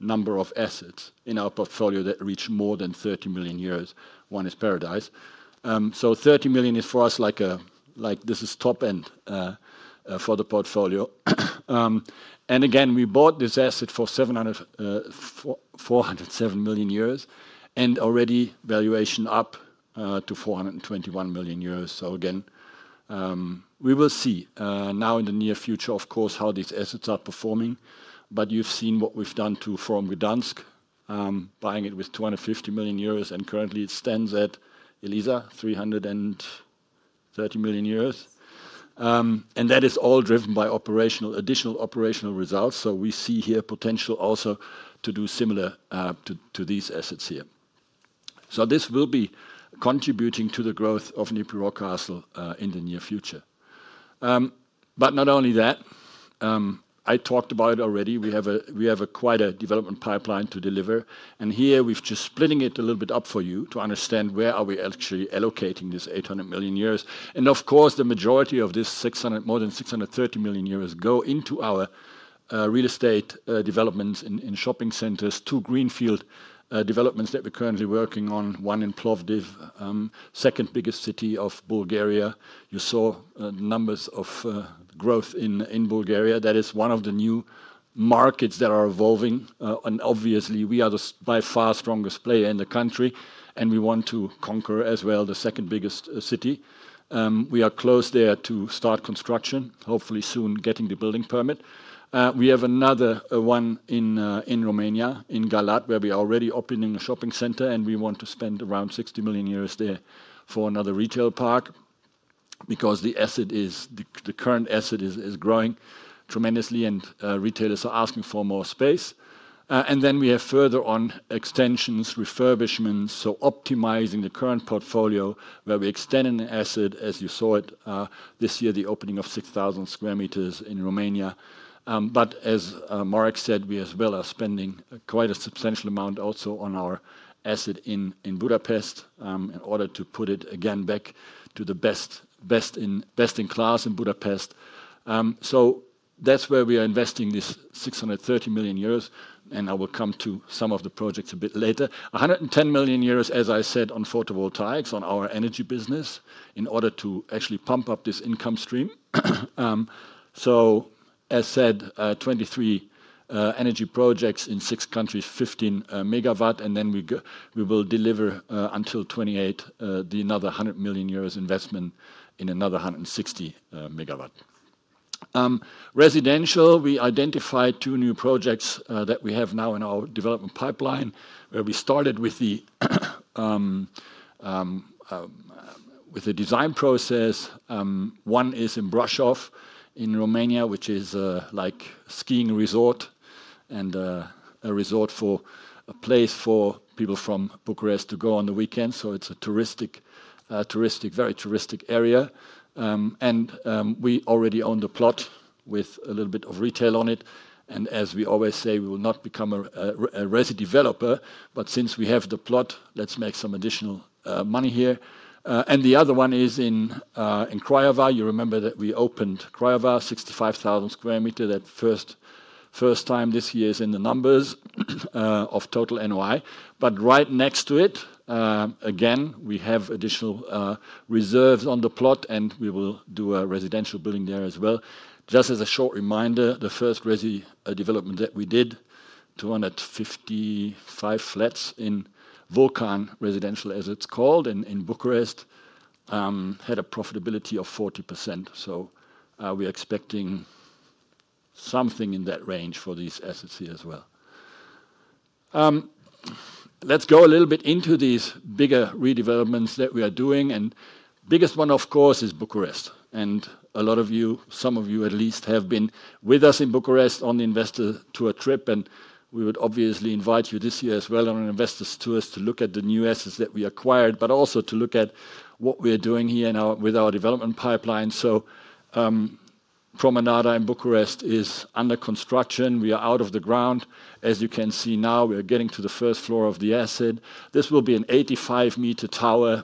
number of assets in our portfolio that reach more than 30 million euros. One is Paradise. 30 million is for us like this is top end for the portfolio. We bought this asset for 407 million and already valuation up to 421 million euros. We will see now in the near future, of course, how these assets are performing. You've seen what we've done to Forum Gdańsk, buying it with 250 million euros. Currently, it stands at 330 million euros. That is all driven by additional operational results. We see here potential also to do similar to these assets here. This will be contributing to the growth of NEPI Rockcastle in the near future. Not only that, I talked about it already. We have quite a development pipeline to deliver. Here, we're just splitting it a little bit up for you to understand where are we actually allocating this 800 million euros. Of course, the majority of this 600 million, more than 630 million euros go into our real estate developments in shopping centers, two greenfield developments that we're currently working on, one in Plovdiv, second biggest city of Bulgaria. You saw numbers of growth in Bulgaria. That is one of the new markets that are evolving. Obviously, we are the by far strongest player in the country. We want to conquer as well the second biggest city. We are close there to start construction, hopefully soon getting the building permit. We have another one in Romania, in Galați, where we are already opening a shopping center. We want to spend around 60 million euros there for another retail park because the current asset is growing tremendously and retailers are asking for more space. Then we have further on extensions, refurbishments. Optimizing the current portfolio where we extend an asset, as you saw it this year, the opening of 6,000 sq m in Romania. As Marek said, we as well are spending quite a substantial amount also on our asset in Budapest in order to put it again back to the best in class in Budapest. That's where we are investing this 630 million euros. And I will come to some of the projects a bit later. 110 million euros, as I said, on photovoltaics, on our energy business in order to actually pump up this income stream. As said, 23 energy projects in six countries, 15 megawatt. And then we will deliver until 2028 then another 100 million euros investment in another 160 megawatt. Residential, we identified two new projects that we have now in our development pipeline where we started with the design process. One is in Brașov in Romania, which is like a skiing resort and a resort for a place for people from Bucharest to go on the weekend. So it's a very touristic area. And we already own the plot with a little bit of retail on it. As we always say, we will not become a residential developer, but since we have the plot, let's make some additional money here. The other one is in Craiova. You remember that we opened Craiova, 65,000 sq m. That first time this year is in the numbers of total NOI. But right next to it, again, we have additional reserves on the plot. We will do a residential building there as well. Just as a short reminder, the first resi development that we did, 255 flats inVulcan Residence as it's called in Bucharest, had a profitability of 40%. We're expecting something in that range for these assets here as well. Let's go a little bit into these bigger redevelopments that we are doing. The biggest one, of course, is Bucharest. A lot of you, some of you at least, have been with us in Bucharest on the investor tour trip. We would obviously invite you this year as well on an investor's tour to look at the new assets that we acquired, but also to look at what we are doing here with our development pipeline. Promenada in Bucharest is under construction. We are out of the ground. As you can see now, we're getting to the first floor of the asset. This will be an 85-meter tower.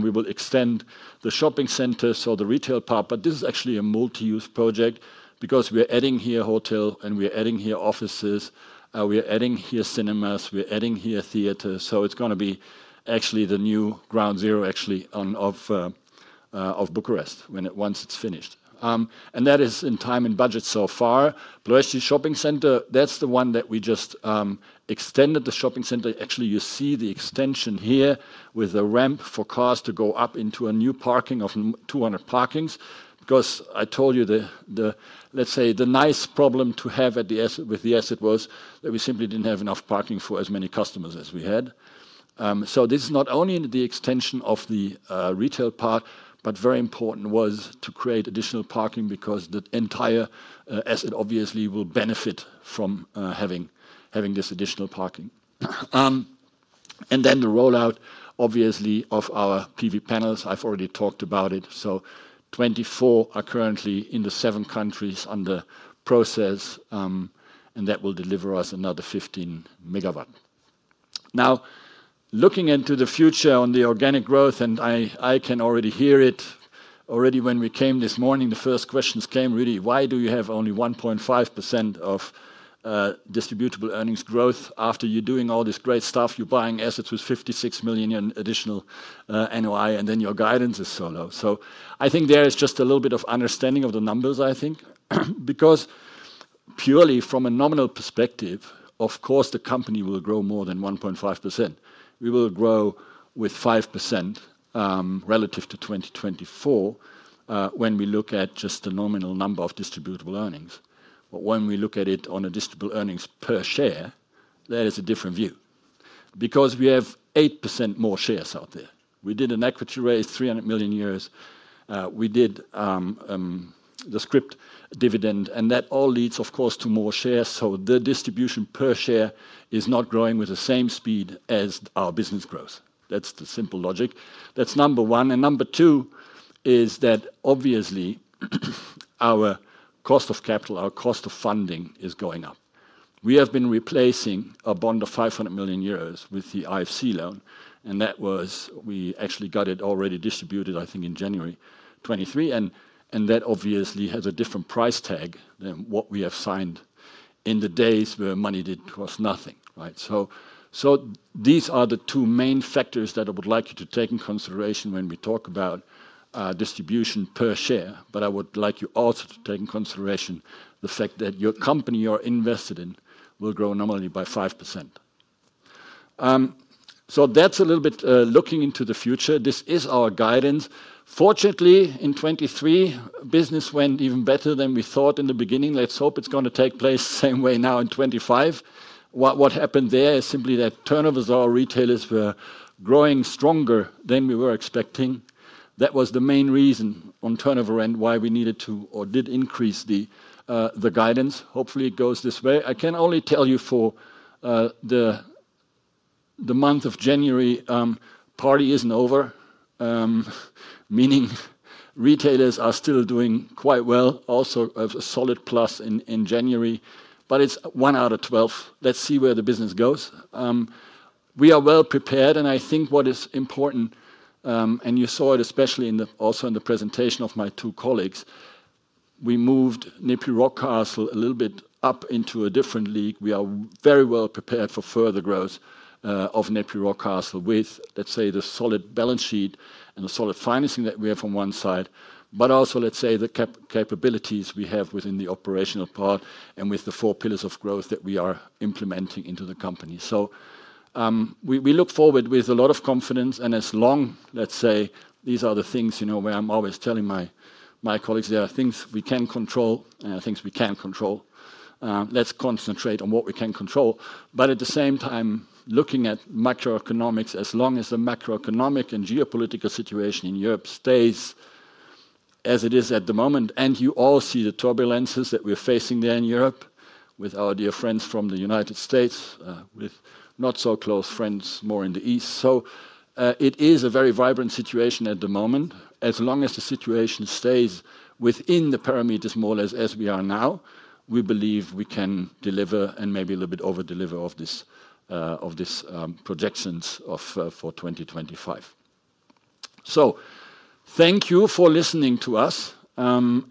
We will extend the shopping center, so the retail part. But this is actually a multi-use project because we're adding here hotel, and we're adding here offices. We're adding here cinemas. We're adding here theaters. It's going to be actually the new ground zero actually of Bucharest once it's finished. And that is in time and budget so far. Ploiești shopping center, that's the one that we just extended the shopping center. Actually, you see the extension here with a ramp for cars to go up into a new parking of 200 parkings. Because I told you, let's say the nice problem to have with the asset was that we simply didn't have enough parking for as many customers as we had. So this is not only the extension of the retail part, but very important was to create additional parking because the entire asset obviously will benefit from having this additional parking. And then the rollout obviously of our PV panels. I've already talked about it. So 24 are currently in the seven countries under process. And that will deliver us another 15 megawatt. Now, looking into the future on the organic growth, and I can already hear it. Already when we came this morning, the first questions came really: why do you have only 1.5% of distributable earnings growth after you're doing all this great stuff? You're buying assets with 56 million additional NOI, and then your guidance is so low. I think there is just a little bit of understanding of the numbers, I think. Because purely from a nominal perspective, of course, the company will grow more than 1.5%. We will grow with 5% relative to 2024 when we look at just the nominal number of distributable earnings. When we look at it on a distributable earnings per share, that is a different view. Because we have 8% more shares out there. We did an equity raise 300 million. We did the scrip dividend. That all leads, of course, to more shares. The distribution per share is not growing with the same speed as our business growth. That's the simple logic. That's number one. And number two is that obviously our cost of capital, our cost of funding is going up. We have been replacing a bond of 500 million euros with the IFC loan. And that was we actually got it already distributed, I think, in January 2023. And that obviously has a different price tag than what we have signed in the days where money did cost nothing. So these are the two main factors that I would like you to take in consideration when we talk about distribution per share. But I would like you also to take in consideration the fact that your company you're invested in will grow nominally by 5%. So that's a little bit looking into the future. This is our guidance. Fortunately, in 2023, business went even better than we thought in the beginning. Let's hope it's going to take place the same way now in 2025. What happened there is simply that turnovers of our retailers were growing stronger than we were expecting. That was the main reason on turnover and why we needed to or did increase the guidance. Hopefully, it goes this way. I can only tell you for the month of January, party isn't over, meaning retailers are still doing quite well. Also a solid plus in January. But it's one out of 12. Let's see where the business goes. We are well prepared, and I think what is important, and you saw it especially also in the presentation of my two colleagues, we moved NEPI Rockcastle a little bit up into a different league. We are very well prepared for further growth of NEPI Rockcastle with, let's say, the solid balance sheet and the solid financing that we have on one side, but also, let's say, the capabilities we have within the operational part and with the four pillars of growth that we are implementing into the company. So we look forward with a lot of confidence. And as long, let's say, these are the things where I'm always telling my colleagues, there are things we can control and things we can't control. Let's concentrate on what we can control. But at the same time, looking at macroeconomics, as long as the macroeconomic and geopolitical situation in Europe stays as it is at the moment, and you all see the turbulences that we're facing there in Europe with our dear friends from the United States, with not so close friends more in the east. So it is a very vibrant situation at the moment. As long as the situation stays within the parameters more or less as we are now, we believe we can deliver and maybe a little bit overdeliver of these projections for 2025. So thank you for listening to us. And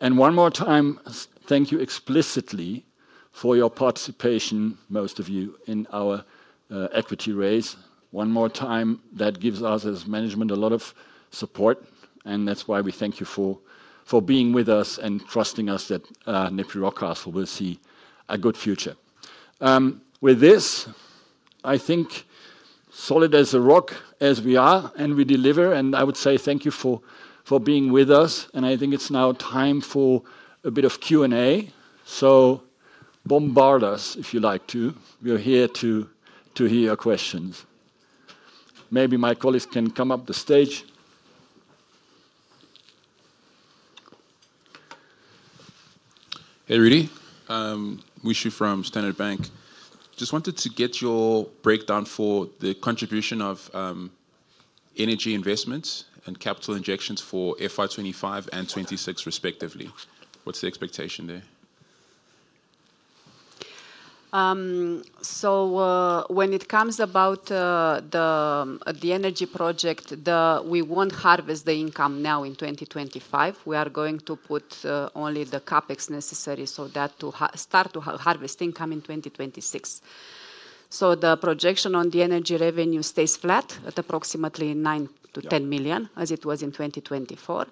one more time, thank you explicitly for your participation, most of you, in our equity raise. One more time, that gives us as management a lot of support. And that's why we thank you for being with us and trusting us that NEPI Rockcastle will see a good future. With this, I think solid as a rock as we are and we deliver. And I would say thank you for being with us. And I think it's now time for a bit of Q&A. So bombard us if you like to. We're here to hear your questions. Maybe my colleagues can come up the stage. Hey, Rudy.Ucertain from Standard Bank. Just wanted to get your breakdown for the contribution of energy investments and capital injections for FY 2025 and 2026 respectively. What's the expectation there? So when it comes about the energy project, we won't harvest the income now in 2025. We are going to put only the CapEx necessary so that to start to harvest income in 2026. So the projection on the energy revenue stays flat at approximately 9 million-10 million as it was in 2024.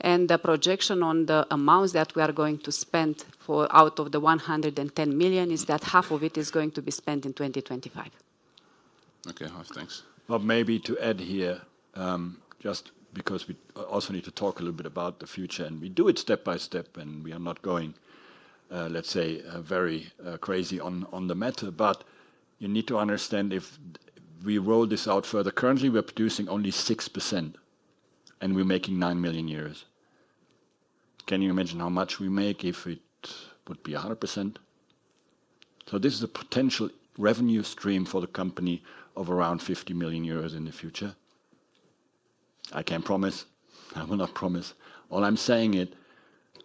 And the projection on the amounts that we are going to spend out of the 110 million is that half of it is going to be spent in 2025. Okay, thanks. Well, maybe to add here, just because we also need to talk a little bit about the future. And we do it step by step. We are not going, let's say, very crazy on the matter. You need to understand if we roll this out further. Currently, we're producing only 6%. We're making 9 million euros. Can you imagine how much we make if it would be 100%? This is a potential revenue stream for the company of around 50 million euros in the future. I can't promise. I will not promise. All I'm saying is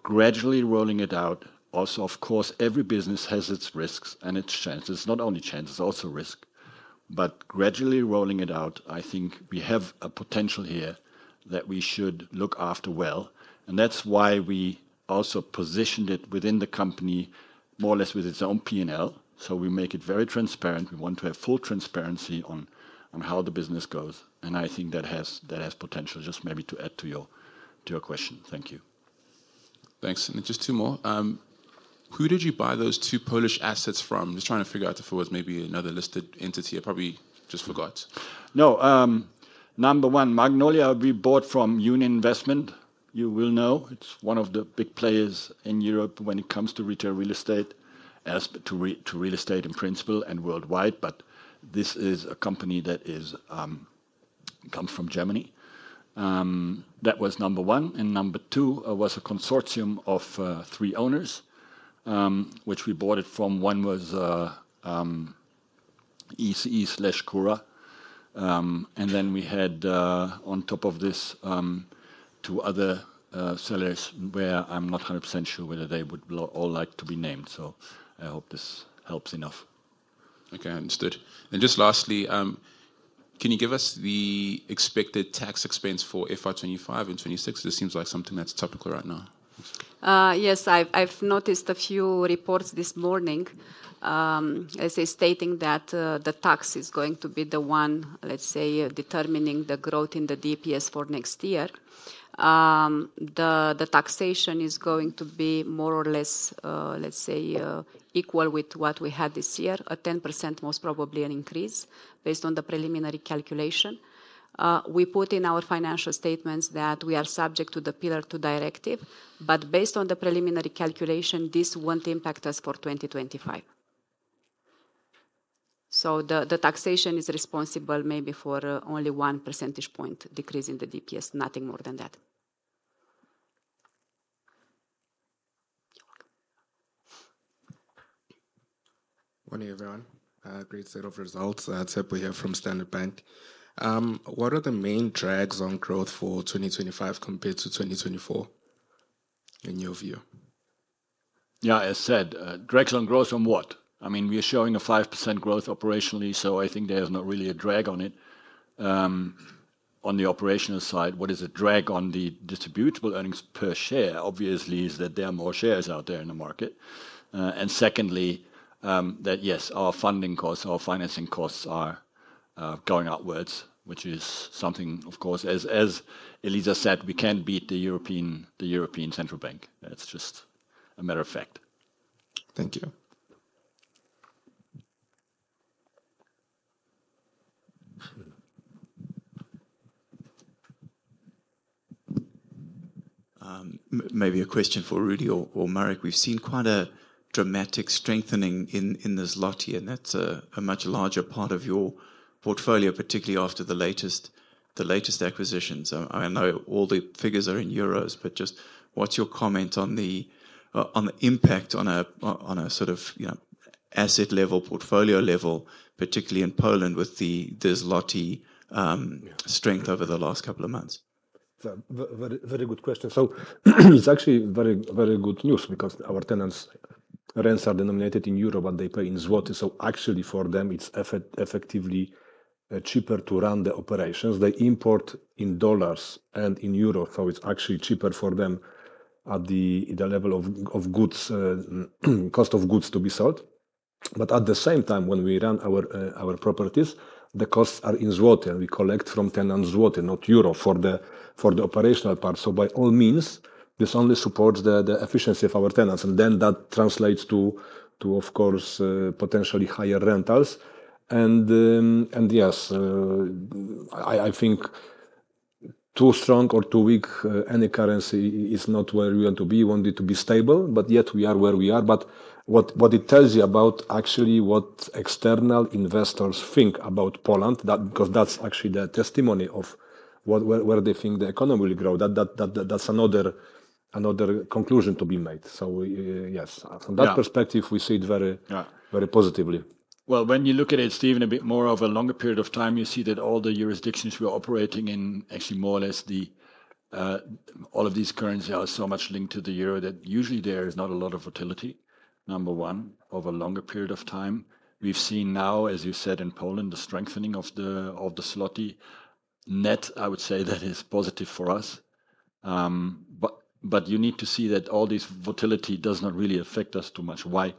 gradually rolling it out. Also, of course, every business has its risks and its chances. Not only chances, also risk. Gradually rolling it out, I think we have a potential here that we should look after well. That's why we also positioned it within the company more or less with its own P&L. We make it very transparent. We want to have full transparency on how the business goes. I think that has potential just maybe to add to your question. Thank you. Thanks. And just two more. Who did you buy those two Polish assets from? Just trying to figure out if it was maybe another listed entity. I probably just forgot. No. Number one, Magnolia, we bought from Union Investment. You will know. It's one of the big players in Europe when it comes to retail real estate, to real estate in principle and worldwide. But this is a company that comes from Germany. That was number one. And number two was a consortium of three owners, which we bought it from. One was ECE slash Cura. And then we had on top of this two other sellers where I'm not 100% sure whether they would all like to be named. So I hope this helps enough. Okay, understood. Just lastly, can you give us the expected tax expense for FY 2025 and FY 2026? This seems like something that's topical right now. Yes, I've noticed a few reports this morning, as I say, stating that the tax is going to be the one, let's say, determining the growth in the DPS for next year. The taxation is going to be more or less, let's say, equal with what we had this year, a 10% most probably an increase based on the preliminary calculation. We put in our financial statements that we are subject to the Pillar Two Directive. But based on the preliminary calculation, this won't impact us for 2025. So the taxation is responsible maybe for only one percentage point decrease in the DPS, nothing more than that. Morning, everyone. Great set of results. That's what we have from Standard Bank. What are the main drags on growth for 2025 compared to 2024 in your view? Yeah, as said, drags on growth on what? I mean, we're showing a 5% growth operationally. So I think there's not really a drag on it. On the operational side, what is a drag on the distributable earnings per share? Obviously, is that there are more shares out there in the market. And secondly, that yes, our funding costs, our financing costs are going upwards, which is something, of course, as Eliza said, we can't beat the European Central Bank. That's just a matter of fact. Thank you. Maybe a question for Rudy or Marek. We've seen quite a dramatic strengthening in the zloty here. And that's a much larger part of your portfolio, particularly after the latest acquisitions. I know all the figures are in euros, but just what's your comment on the impact on a sort of asset level, portfolio level, particularly in Poland with this zloty strength over the last couple of months? Very good question. So it's actually very good news because our tenants' rents are denominated in euro and they pay in zloty. So actually for them, it's effectively cheaper to run the operations. They import in dollars and in euro. So it's actually cheaper for them at the level of cost of goods to be sold. But at the same time, when we run our properties, the costs are in zloty and we collect from tenants' zloty, not euro for the operational part. So by all means, this only supports the efficiency of our tenants. And then that translates to, of course, potentially higher rentals. Yes, I think too strong or too weak, any currency is not where we want to be. We want it to be stable, but yet we are where we are. But what it tells you about actually what external investors think about Poland, because that's actually the testimony of where they think the economy will grow, that's another conclusion to be made. So yes, from that perspective, we see it very positively. Well, when you look at it, Steven, a bit more over a longer period of time, you see that all the jurisdictions we're operating in, actually more or less all of these currencies are so much linked to the euro that usually there is not a lot of volatility, number one, over a longer period of time. We've seen now, as you said, in Poland, the strengthening of the zloty net. I would say that is positive for us. But you need to see that all this volatility does not really affect us too much. Why?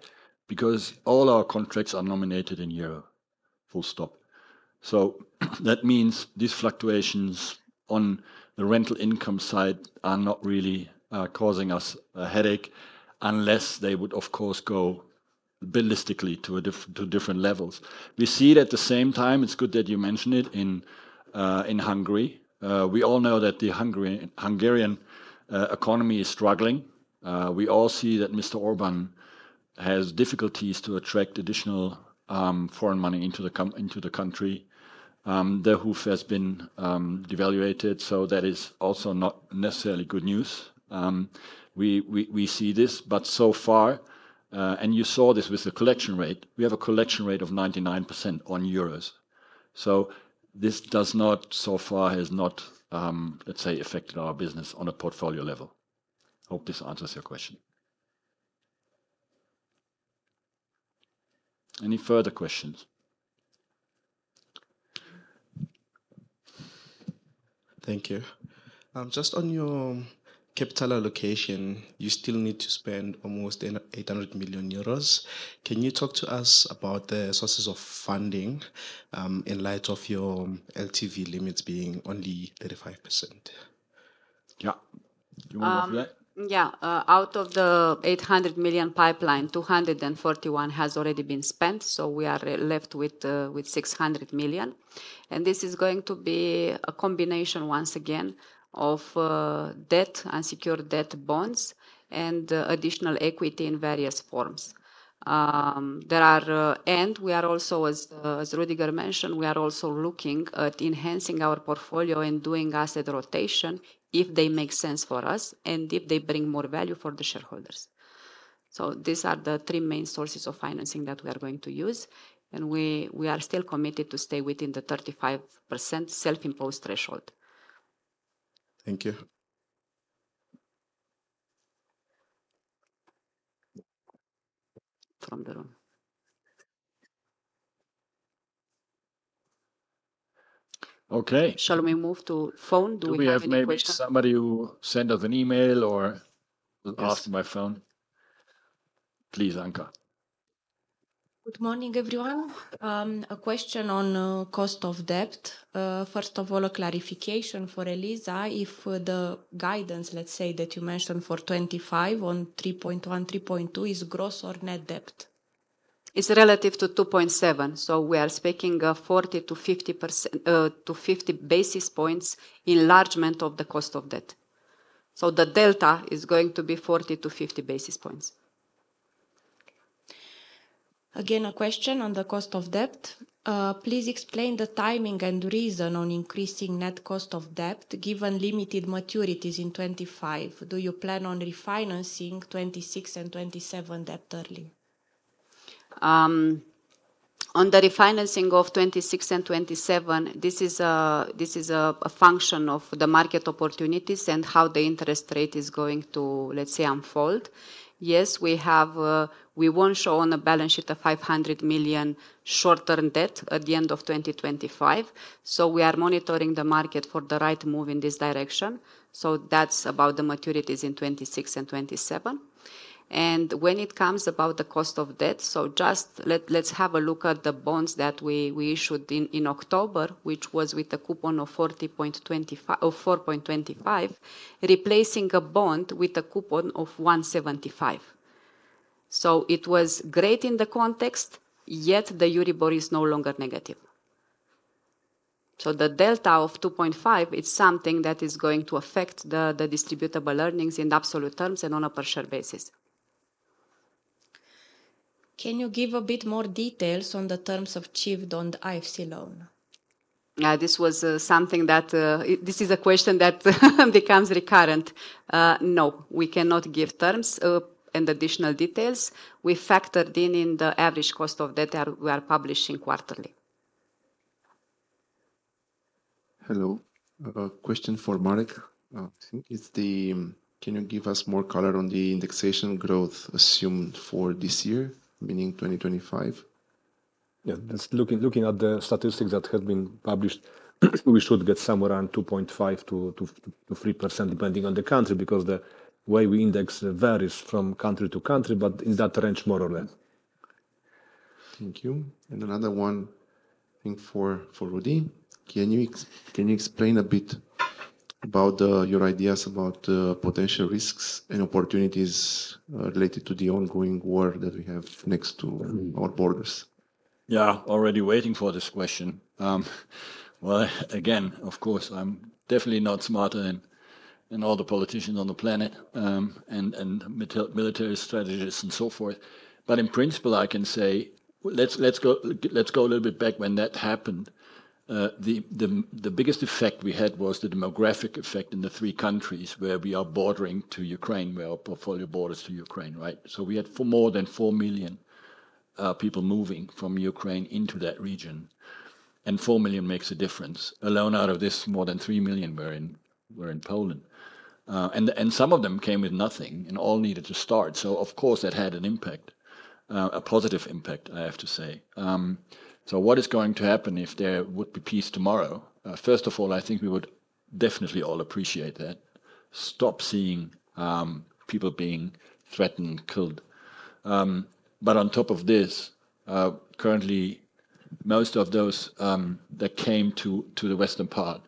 Because all our contracts are nominated in euro. Full stop. So that means these fluctuations on the rental income side are not really causing us a headache unless they would, of course, go ballistically to different levels. We see that at the same time, it's good that you mention it in Hungary. We all know that the Hungarian economy is struggling. We all see that Mr. Orbán has difficulties to attract additional foreign money into the country. The HUF has been devalued. So that is also not necessarily good news. We see this, but so far, and you saw this with the collection rate, we have a collection rate of 99% on euros. So this does not, so far has not, let's say, affected our business on a portfolio level. Hope this answers your question. Any further questions? Thank you. Just on your capital allocation, you still need to spend almost 800 million euros. Can you talk to us about the sources of funding in light of your LTV limits being only 35%? Yeah. Do you want to do that? Yeah. Out of the 800 million pipeline, 241 million has already been spent. So we are left with 600 million. And this is going to be a combination once again of debt, unsecured debt bonds, and additional equity in various forms. And we are also, as Rüdiger mentioned, we are also looking at enhancing our portfolio and doing asset rotation if they make sense for us and if they bring more value for the shareholders. These are the three main sources of financing that we are going to use. And we are still committed to stay within the 35% self-imposed threshold. Thank you. From the room. Okay. Shall we move to phone? Do we have maybe somebody who sent us an email or asked my phone? Please, Anca. Good morning, everyone. A question on cost of debt. First of all, a clarification for Eliza, if the guidance, let's say, that you mentioned for 2025 on 3.1%,3.2% is gross or net debt. It's relative to 2.7%. So we are speaking of 40-50 basis points enlargement of the cost of debt. So the delta is going to be 40-50 basis points. Again, a question on the cost of debt. Please explain the timing and reason on increasing net cost of debt given limited maturities in 2025. Do you plan on refinancing 2026 and 2027 debt early? On the refinancing of 2026 and 2027, this is a function of the market opportunities and how the interest rate is going to, let's say, unfold. Yes, we won't show on a balance sheet 500 million short-term debt at the end of 2025. We are monitoring the market for the right move in this direction. That's about the maturities in 2026 and 2027. When it comes about the cost of debt, just let's have a look at the bonds that we issued in October, which was with a coupon of 4.25%, replacing a bond with a coupon of 1.75%. It was great in the context, yet the Euribor is no longer negative. So the delta of 2.5 is something that is going to affect the distributable earnings in absolute terms and on a per-share basis. Can you give a bit more details on the terms of the IFC loan? This was something that is a question that becomes recurrent. No, we cannot give terms and additional details. We factored in the average cost of debt that we are publishing quarterly. Hello. Question for Marek. Can you give us more color on the indexation growth assumed for this year, meaning 2025? Yeah, just looking at the statistics that have been published, we should get somewhere around 2.5%-3% depending on the country because the way we index varies from country to country, but in that range, more or less. Thank you. And another one thing for Rudy. Can you explain a bit about your ideas about potential risks and opportunities related to the ongoing war that we have next to our borders? Yeah, already waiting for this question. Well, again, of course, I'm definitely not smarter than all the politicians on the planet and military strategists and so forth. But in principle, I can say, let's go a little bit back when that happened. The biggest effect we had was the demographic effect in the three countries where we are bordering to Ukraine, where our portfolio borders to Ukraine, right? So we had more than four million people moving from Ukraine into that region. And four million makes a difference. Alone out of this, more than three million were in Poland. And some of them came with nothing and all needed to start. So of course, that had an impact, a positive impact, I have to say. So what is going to happen if there would be peace tomorrow? First of all, I think we would definitely all appreciate that. Stop seeing people being threatened, killed. But on top of this, currently, most of those that came to the western part,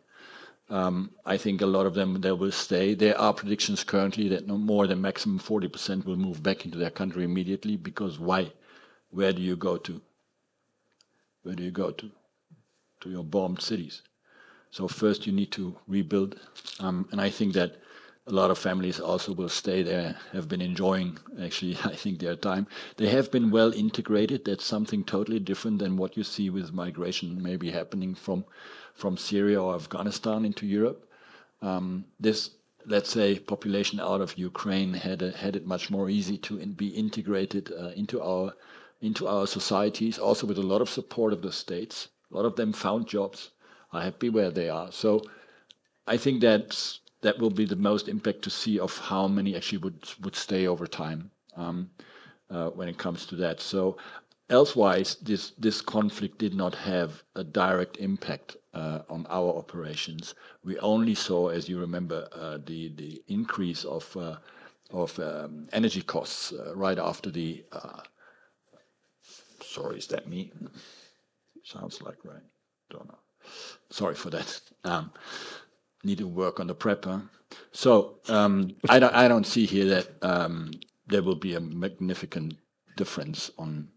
I think a lot of them, they will stay. There are predictions currently that no more than maximum 40% will move back into their country immediately because why? Where do you go to? Where do you go to? To your bombed cities. So first, you need to rebuild. And I think that a lot of families also will stay there, have been enjoying, actually, I think their time. They have been well integrated. That's something totally different than what you see with migration maybe happening from Syria or Afghanistan into Europe. This, let's say, population out of Ukraine had it much more easy to be integrated into our societies, also with a lot of support of the states. A lot of them found jobs. I'm happy where they are. So I think that will be the most impact to see of how many actually would stay over time when it comes to that. So otherwise, this conflict did not have a direct impact on our operations. We only saw, as you remember, the increase of energy costs right after the, sorry, is that me? Sounds like, right? Don't know. Sorry for that. Need to work on the prep. So I don't see here that there will be a significant difference on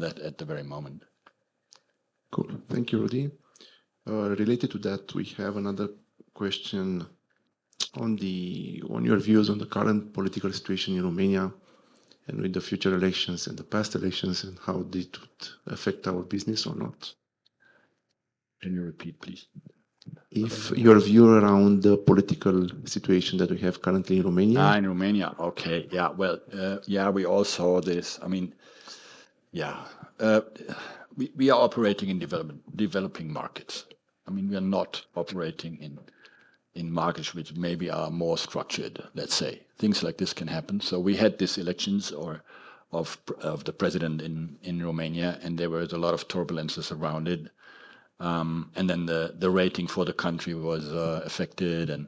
that at the very moment. Cool. Thank you, Rudy. Related to that, we have another question on your views on the current political situation in Romania and with the future elections and the past elections and how they would affect our business or not. Can you repeat, please? If your view around the political situation that we have currently in Romania? In Romania, okay. Yeah, well, yeah, we all saw this. I mean, yeah, we are operating in developing markets. I mean, we are not operating in markets which maybe are more structured, let's say. Things like this can happen. So we had these elections of the president in Romania, and there were a lot of turbulences around it. And then the rating for the country was affected. And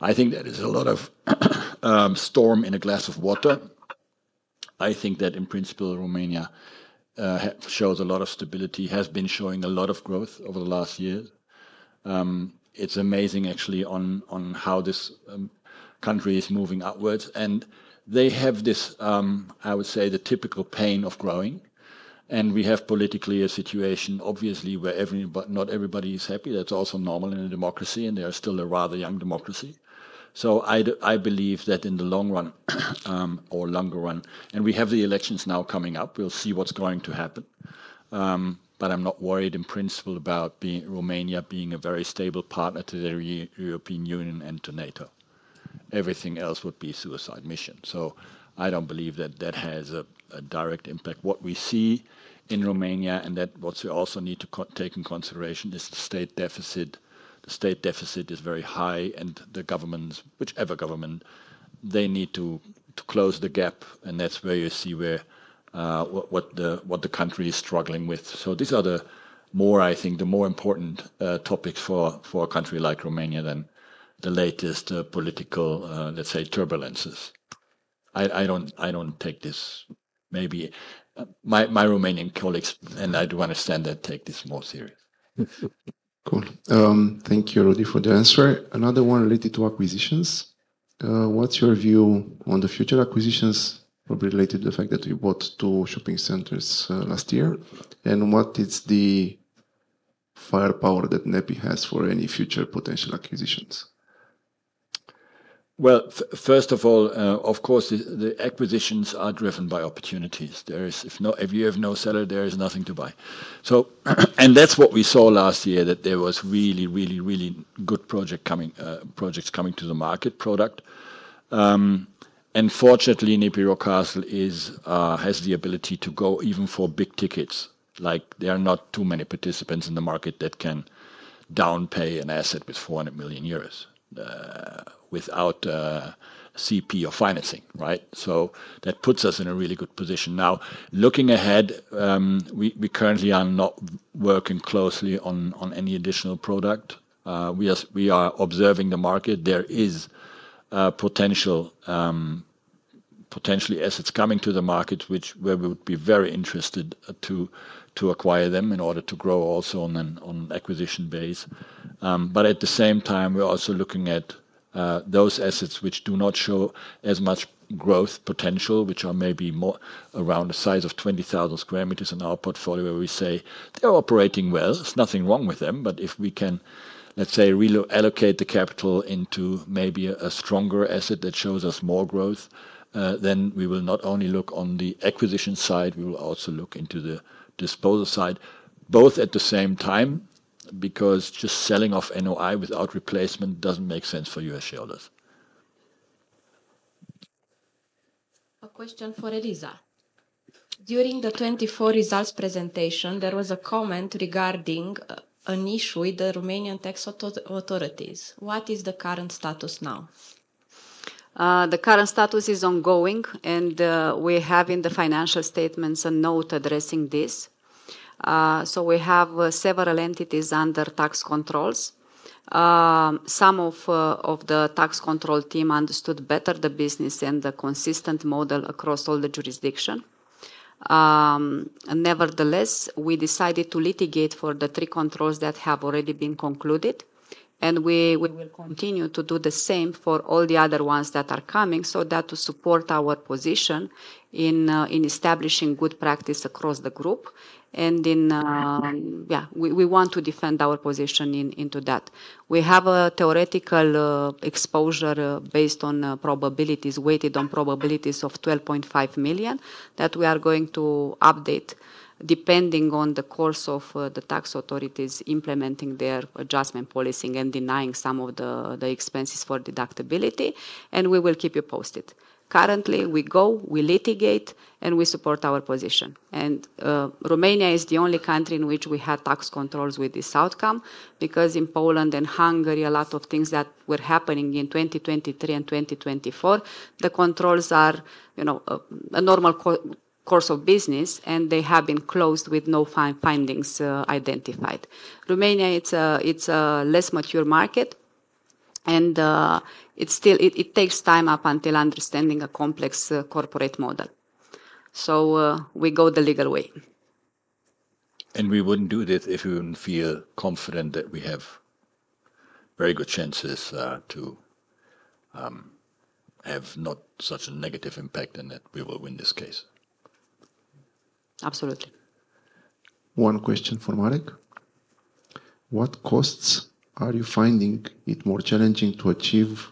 I think that is a lot of storm in a glass of water. I think that in principle, Romania shows a lot of stability, has been showing a lot of growth over the last year. It's amazing, actually, on how this country is moving upwards, and they have this, I would say, the typical pain of growing, and we have politically a situation, obviously, where not everybody is happy. That's also normal in a democracy, and they are still a rather young democracy, so I believe that in the long run or longer run, and we have the elections now coming up, we'll see what's going to happen, but I'm not worried in principle about Romania being a very stable partner to the European Union and to NATO. Everything else would be a suicide mission, so I don't believe that that has a direct impact. What we see in Romania and that what we also need to take into consideration is the state deficit. The state deficit is very high, and the governments, whichever government, they need to close the gap, and that's where you see what the country is struggling with, so these are the more, I think, the more important topics for a country like Romania than the latest political, let's say, turbulences. I don't take this. Maybe my Romanian colleagues, and I do understand that, take this more seriously. Cool. Thank you, Rudy, for the answer. Another one related to acquisitions. What's your view on the future acquisitions related to the fact that we bought two shopping centers last year? And what is the firepower that NEPI has for any future potential acquisitions? First of all, of course, the acquisitions are driven by opportunities. If you have no seller, there is nothing to buy. And that's what we saw last year, that there was really, really, really good projects coming to the market product. And fortunately, NEPI Rockcastle has the ability to go even for big tickets. There are not too many participants in the market that can downpay an asset with 400 million euros without CP or financing, right? So that puts us in a really good position. Now, looking ahead, we currently are not working closely on any additional product. We are observing the market. There is potentially assets coming to the market where we would be very interested to acquire them in order to grow also on an acquisition base. But at the same time, we're also looking at those assets which do not show as much growth potential, which are maybe around the size of 20,000 sq m in our portfolio, where we say they're operating well. There's nothing wrong with them. But if we can, let's say, reallocate the capital into maybe a stronger asset that shows us more growth, then we will not only look on the acquisition side, we will also look into the disposal side, both at the same time, because just selling off NOI without replacement doesn't make sense for US shareholders. A question for Eliza. During the 2024 results presentation, there was a comment regarding an issue with the Romanian tax authorities. What is the current status now? The current status is ongoing, and we have in the financial statements a note addressing this. So we have several entities under tax controls. Some of the tax control team understood better the business and the consistent model across all the jurisdictions. Nevertheless, we decided to litigate for the three controls that have already been concluded, and we will continue to do the same for all the other ones that are coming so that to support our position in establishing good practice across the group, and yeah, we want to defend our position into that. We have a theoretical exposure based on probabilities, weighted on probabilities of 12.5 million that we are going to update depending on the course of the tax authorities implementing their adjustment policing and denying some of the expenses for deductibility, and we will keep you posted. Currently, we go, we litigate, and we support our position. And Romania is the only country in which we had tax controls with this outcome because in Poland and Hungary, a lot of things that were happening in 2023 and 2024, the controls are a normal course of business, and they have been closed with no findings identified. Romania, it's a less mature market, and it takes time up until understanding a complex corporate model. So we go the legal way. And we wouldn't do this if we wouldn't feel confident that we have very good chances to have not such a negative impact and that we will win this case. Absolutely. One question for Marek. What costs are you finding it more challenging to achieve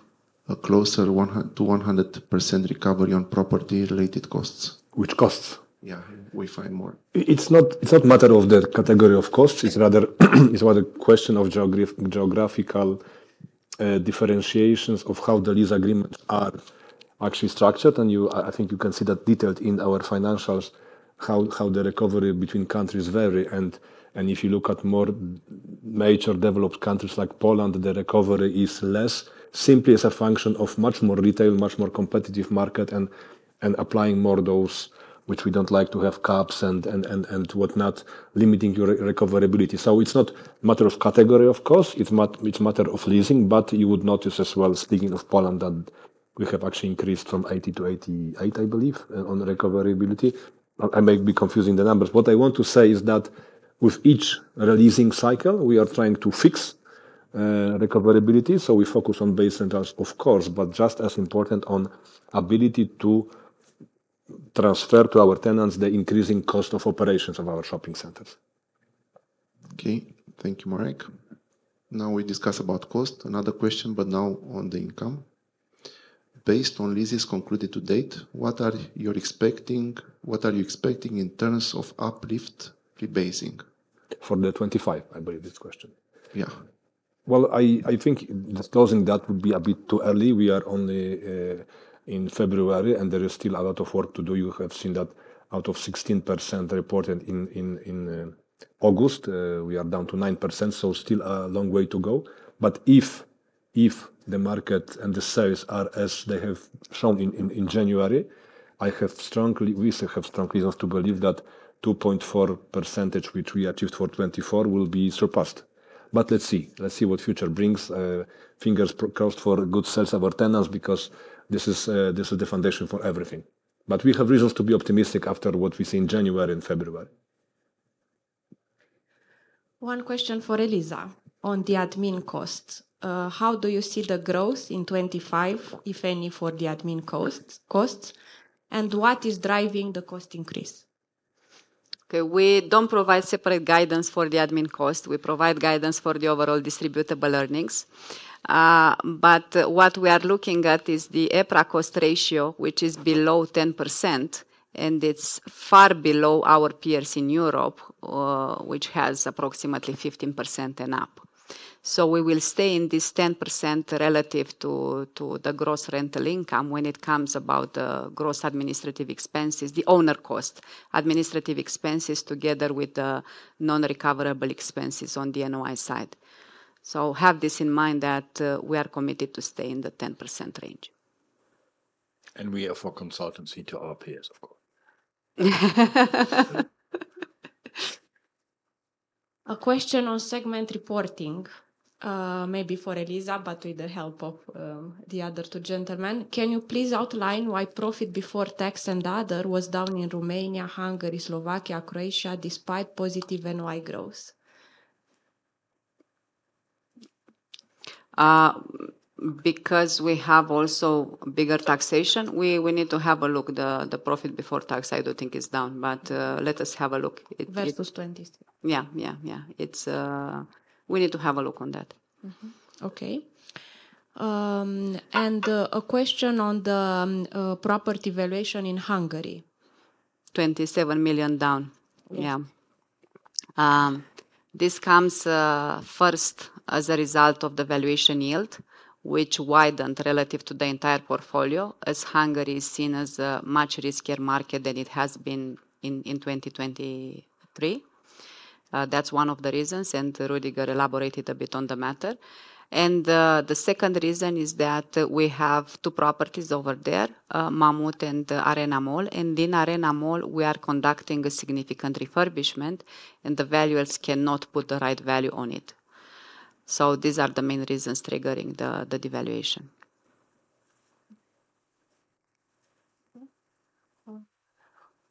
a closer to 100% recovery on property-related costs? Which costs? Yeah, we find more. It's not a matter of the category of costs. It's rather a question of geographical differentiations of how the lease agreements are actually structured, and I think you can see that detailed in our financials, how the recovery between countries vary, and if you look at more major developed countries like Poland, the recovery is less simply as a function of much more retail, much more competitive market, and applying more those which we don't like to have caps and whatnot, limiting your recoverability, so it's not a matter of category, of course, it's a matter of leasing, but you would notice as well speaking of Poland that we have actually increased from 80 - 88, I believe, on recoverability, I may be confusing the numbers, what I want to say is that with each releasing cycle, we are trying to fix recoverability. So we focus on base centers, of course, but just as important on ability to transfer to our tenants the increasing cost of operations of our shopping centers. Okay. Thank you, Marek. Now we discuss about cost. Another question, but now on the income. Based on leases concluded to date, what are you expecting? What are you expecting in terms of uplift rebasing? For the 2025, I believe this question. Yeah. Well, I think disclosing that would be a bit too early. We are only in February, and there is still a lot of work to do. You have seen that out of 16% reported in August, we are down to 9%. Still a long way to go. But if the market and the sales are as they have shown in January, I have strong reasons to believe that 2.4% which we achieved for 2024 will be surpassed. But let's see. Let's see what the future brings. Fingers crossed for good sales of our tenants because this is the foundation for everything. But we have reasons to be optimistic after what we see in January and February. One question for Eliza on the admin costs. How do you see the growth in 2025, if any, for the admin costs? And what is driving the cost increase? Okay. We don't provide separate guidance for the admin costs. We provide guidance for the overall distributable earnings. But what we are looking at is the EPRA cost ratio, which is below 10%, and it's far below our peers in Europe, which has approximately 15% and up. So we will stay in this 10% relative to the gross rental income when it comes about the gross administrative expenses, the owner cost, administrative expenses together with the non-recoverable expenses on the NOI side. Have this in mind that we are committed to stay in the 10% range. And we offer consultancy to our peers, of course. A question on segment reporting, maybe for Eliza, but with the help of the other two gentlemen. Can you please outline why profit before tax and other was down in Romania, Hungary, Slovakia, Croatia despite positive NOI growth? Because we have also bigger taxation. We need to have a look. The profit before tax, I don't think is down, but let us have a look. Versus 26. Yeah, yeah, yeah. We need to have a look on that. Okay. And a question on the property valuation in Hungary. 27 million down. Yeah. This comes first as a result of the valuation yield, which widened relative to the entire portfolio, as Hungary is seen as a much riskier market than it has been in 2023. That's one of the reasons, and Rudy elaborated a bit on the matter. The second reason is that we have two properties over there, Mammut and Arena Mall. In Arena Mall, we are conducting a significant refurbishment, and the valuers cannot put the right value on it. These are the main reasons triggering the devaluation.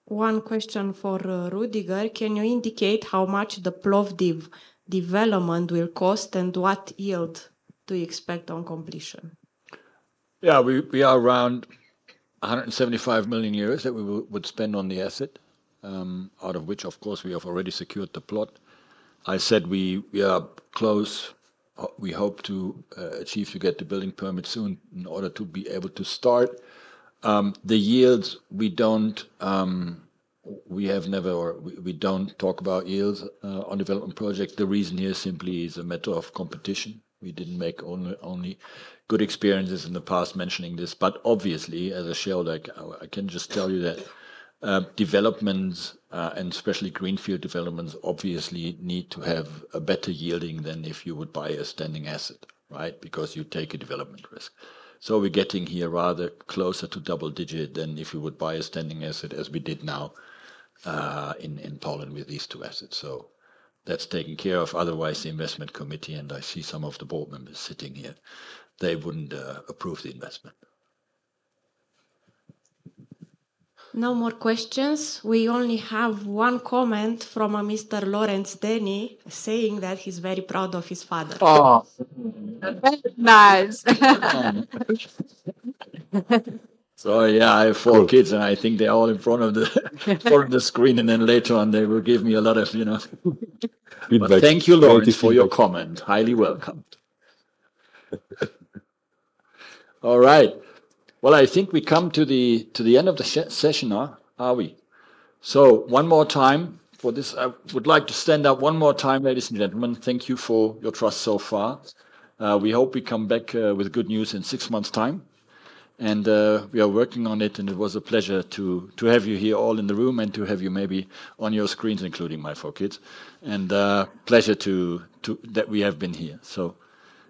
One question for Rüdiger. Can you indicate how much the Plovdiv development will cost and what yield do you expect on completion? Yeah, we are around 175 million euros that we would spend on the asset, out of which, of course, we have already secured the plot. I said we are close. We hope to achieve to get the building permit soon in order to be able to start. The yields, we have never or we don't talk about yields on development projects. The reason here simply is a matter of competition. We didn't make only good experiences in the past mentioning this, but obviously, as a shareholder, I can just tell you that developments, and especially greenfield developments, obviously need to have a better yielding than if you would buy a standing asset, right? Because you take a development risk, so we're getting here rather closer to double digit than if you would buy a standing asset as we did now in Poland with these two assets, so that's taken care of. Otherwise, the investment committee, and I see some of the board members sitting here, they wouldn't approve the investment. No more questions. We only have one comment from Mr. Lawrence Dany saying that he's very proud of his father. Nice, so. Yeah, I have four kids, and I think they're all in front of the screen, and then later on, they will give me a lot of feedback. Thank you, Lordy, for your comment. Highly welcomed. All right. Well, I think we come to the end of the session, are we? So one more time for this. I would like to stand up one more time, ladies and gentlemen. Thank you for your trust so far. We hope we come back with good news in six months' time. And we are working on it, and it was a pleasure to have you here all in the room and to have you maybe on your screens, including my four kids. And pleasure that we have been here.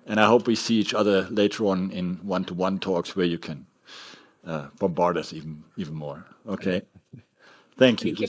And I hope we see each other later on in one-to-one talks where you can bombard us even more. Okay? Thank you.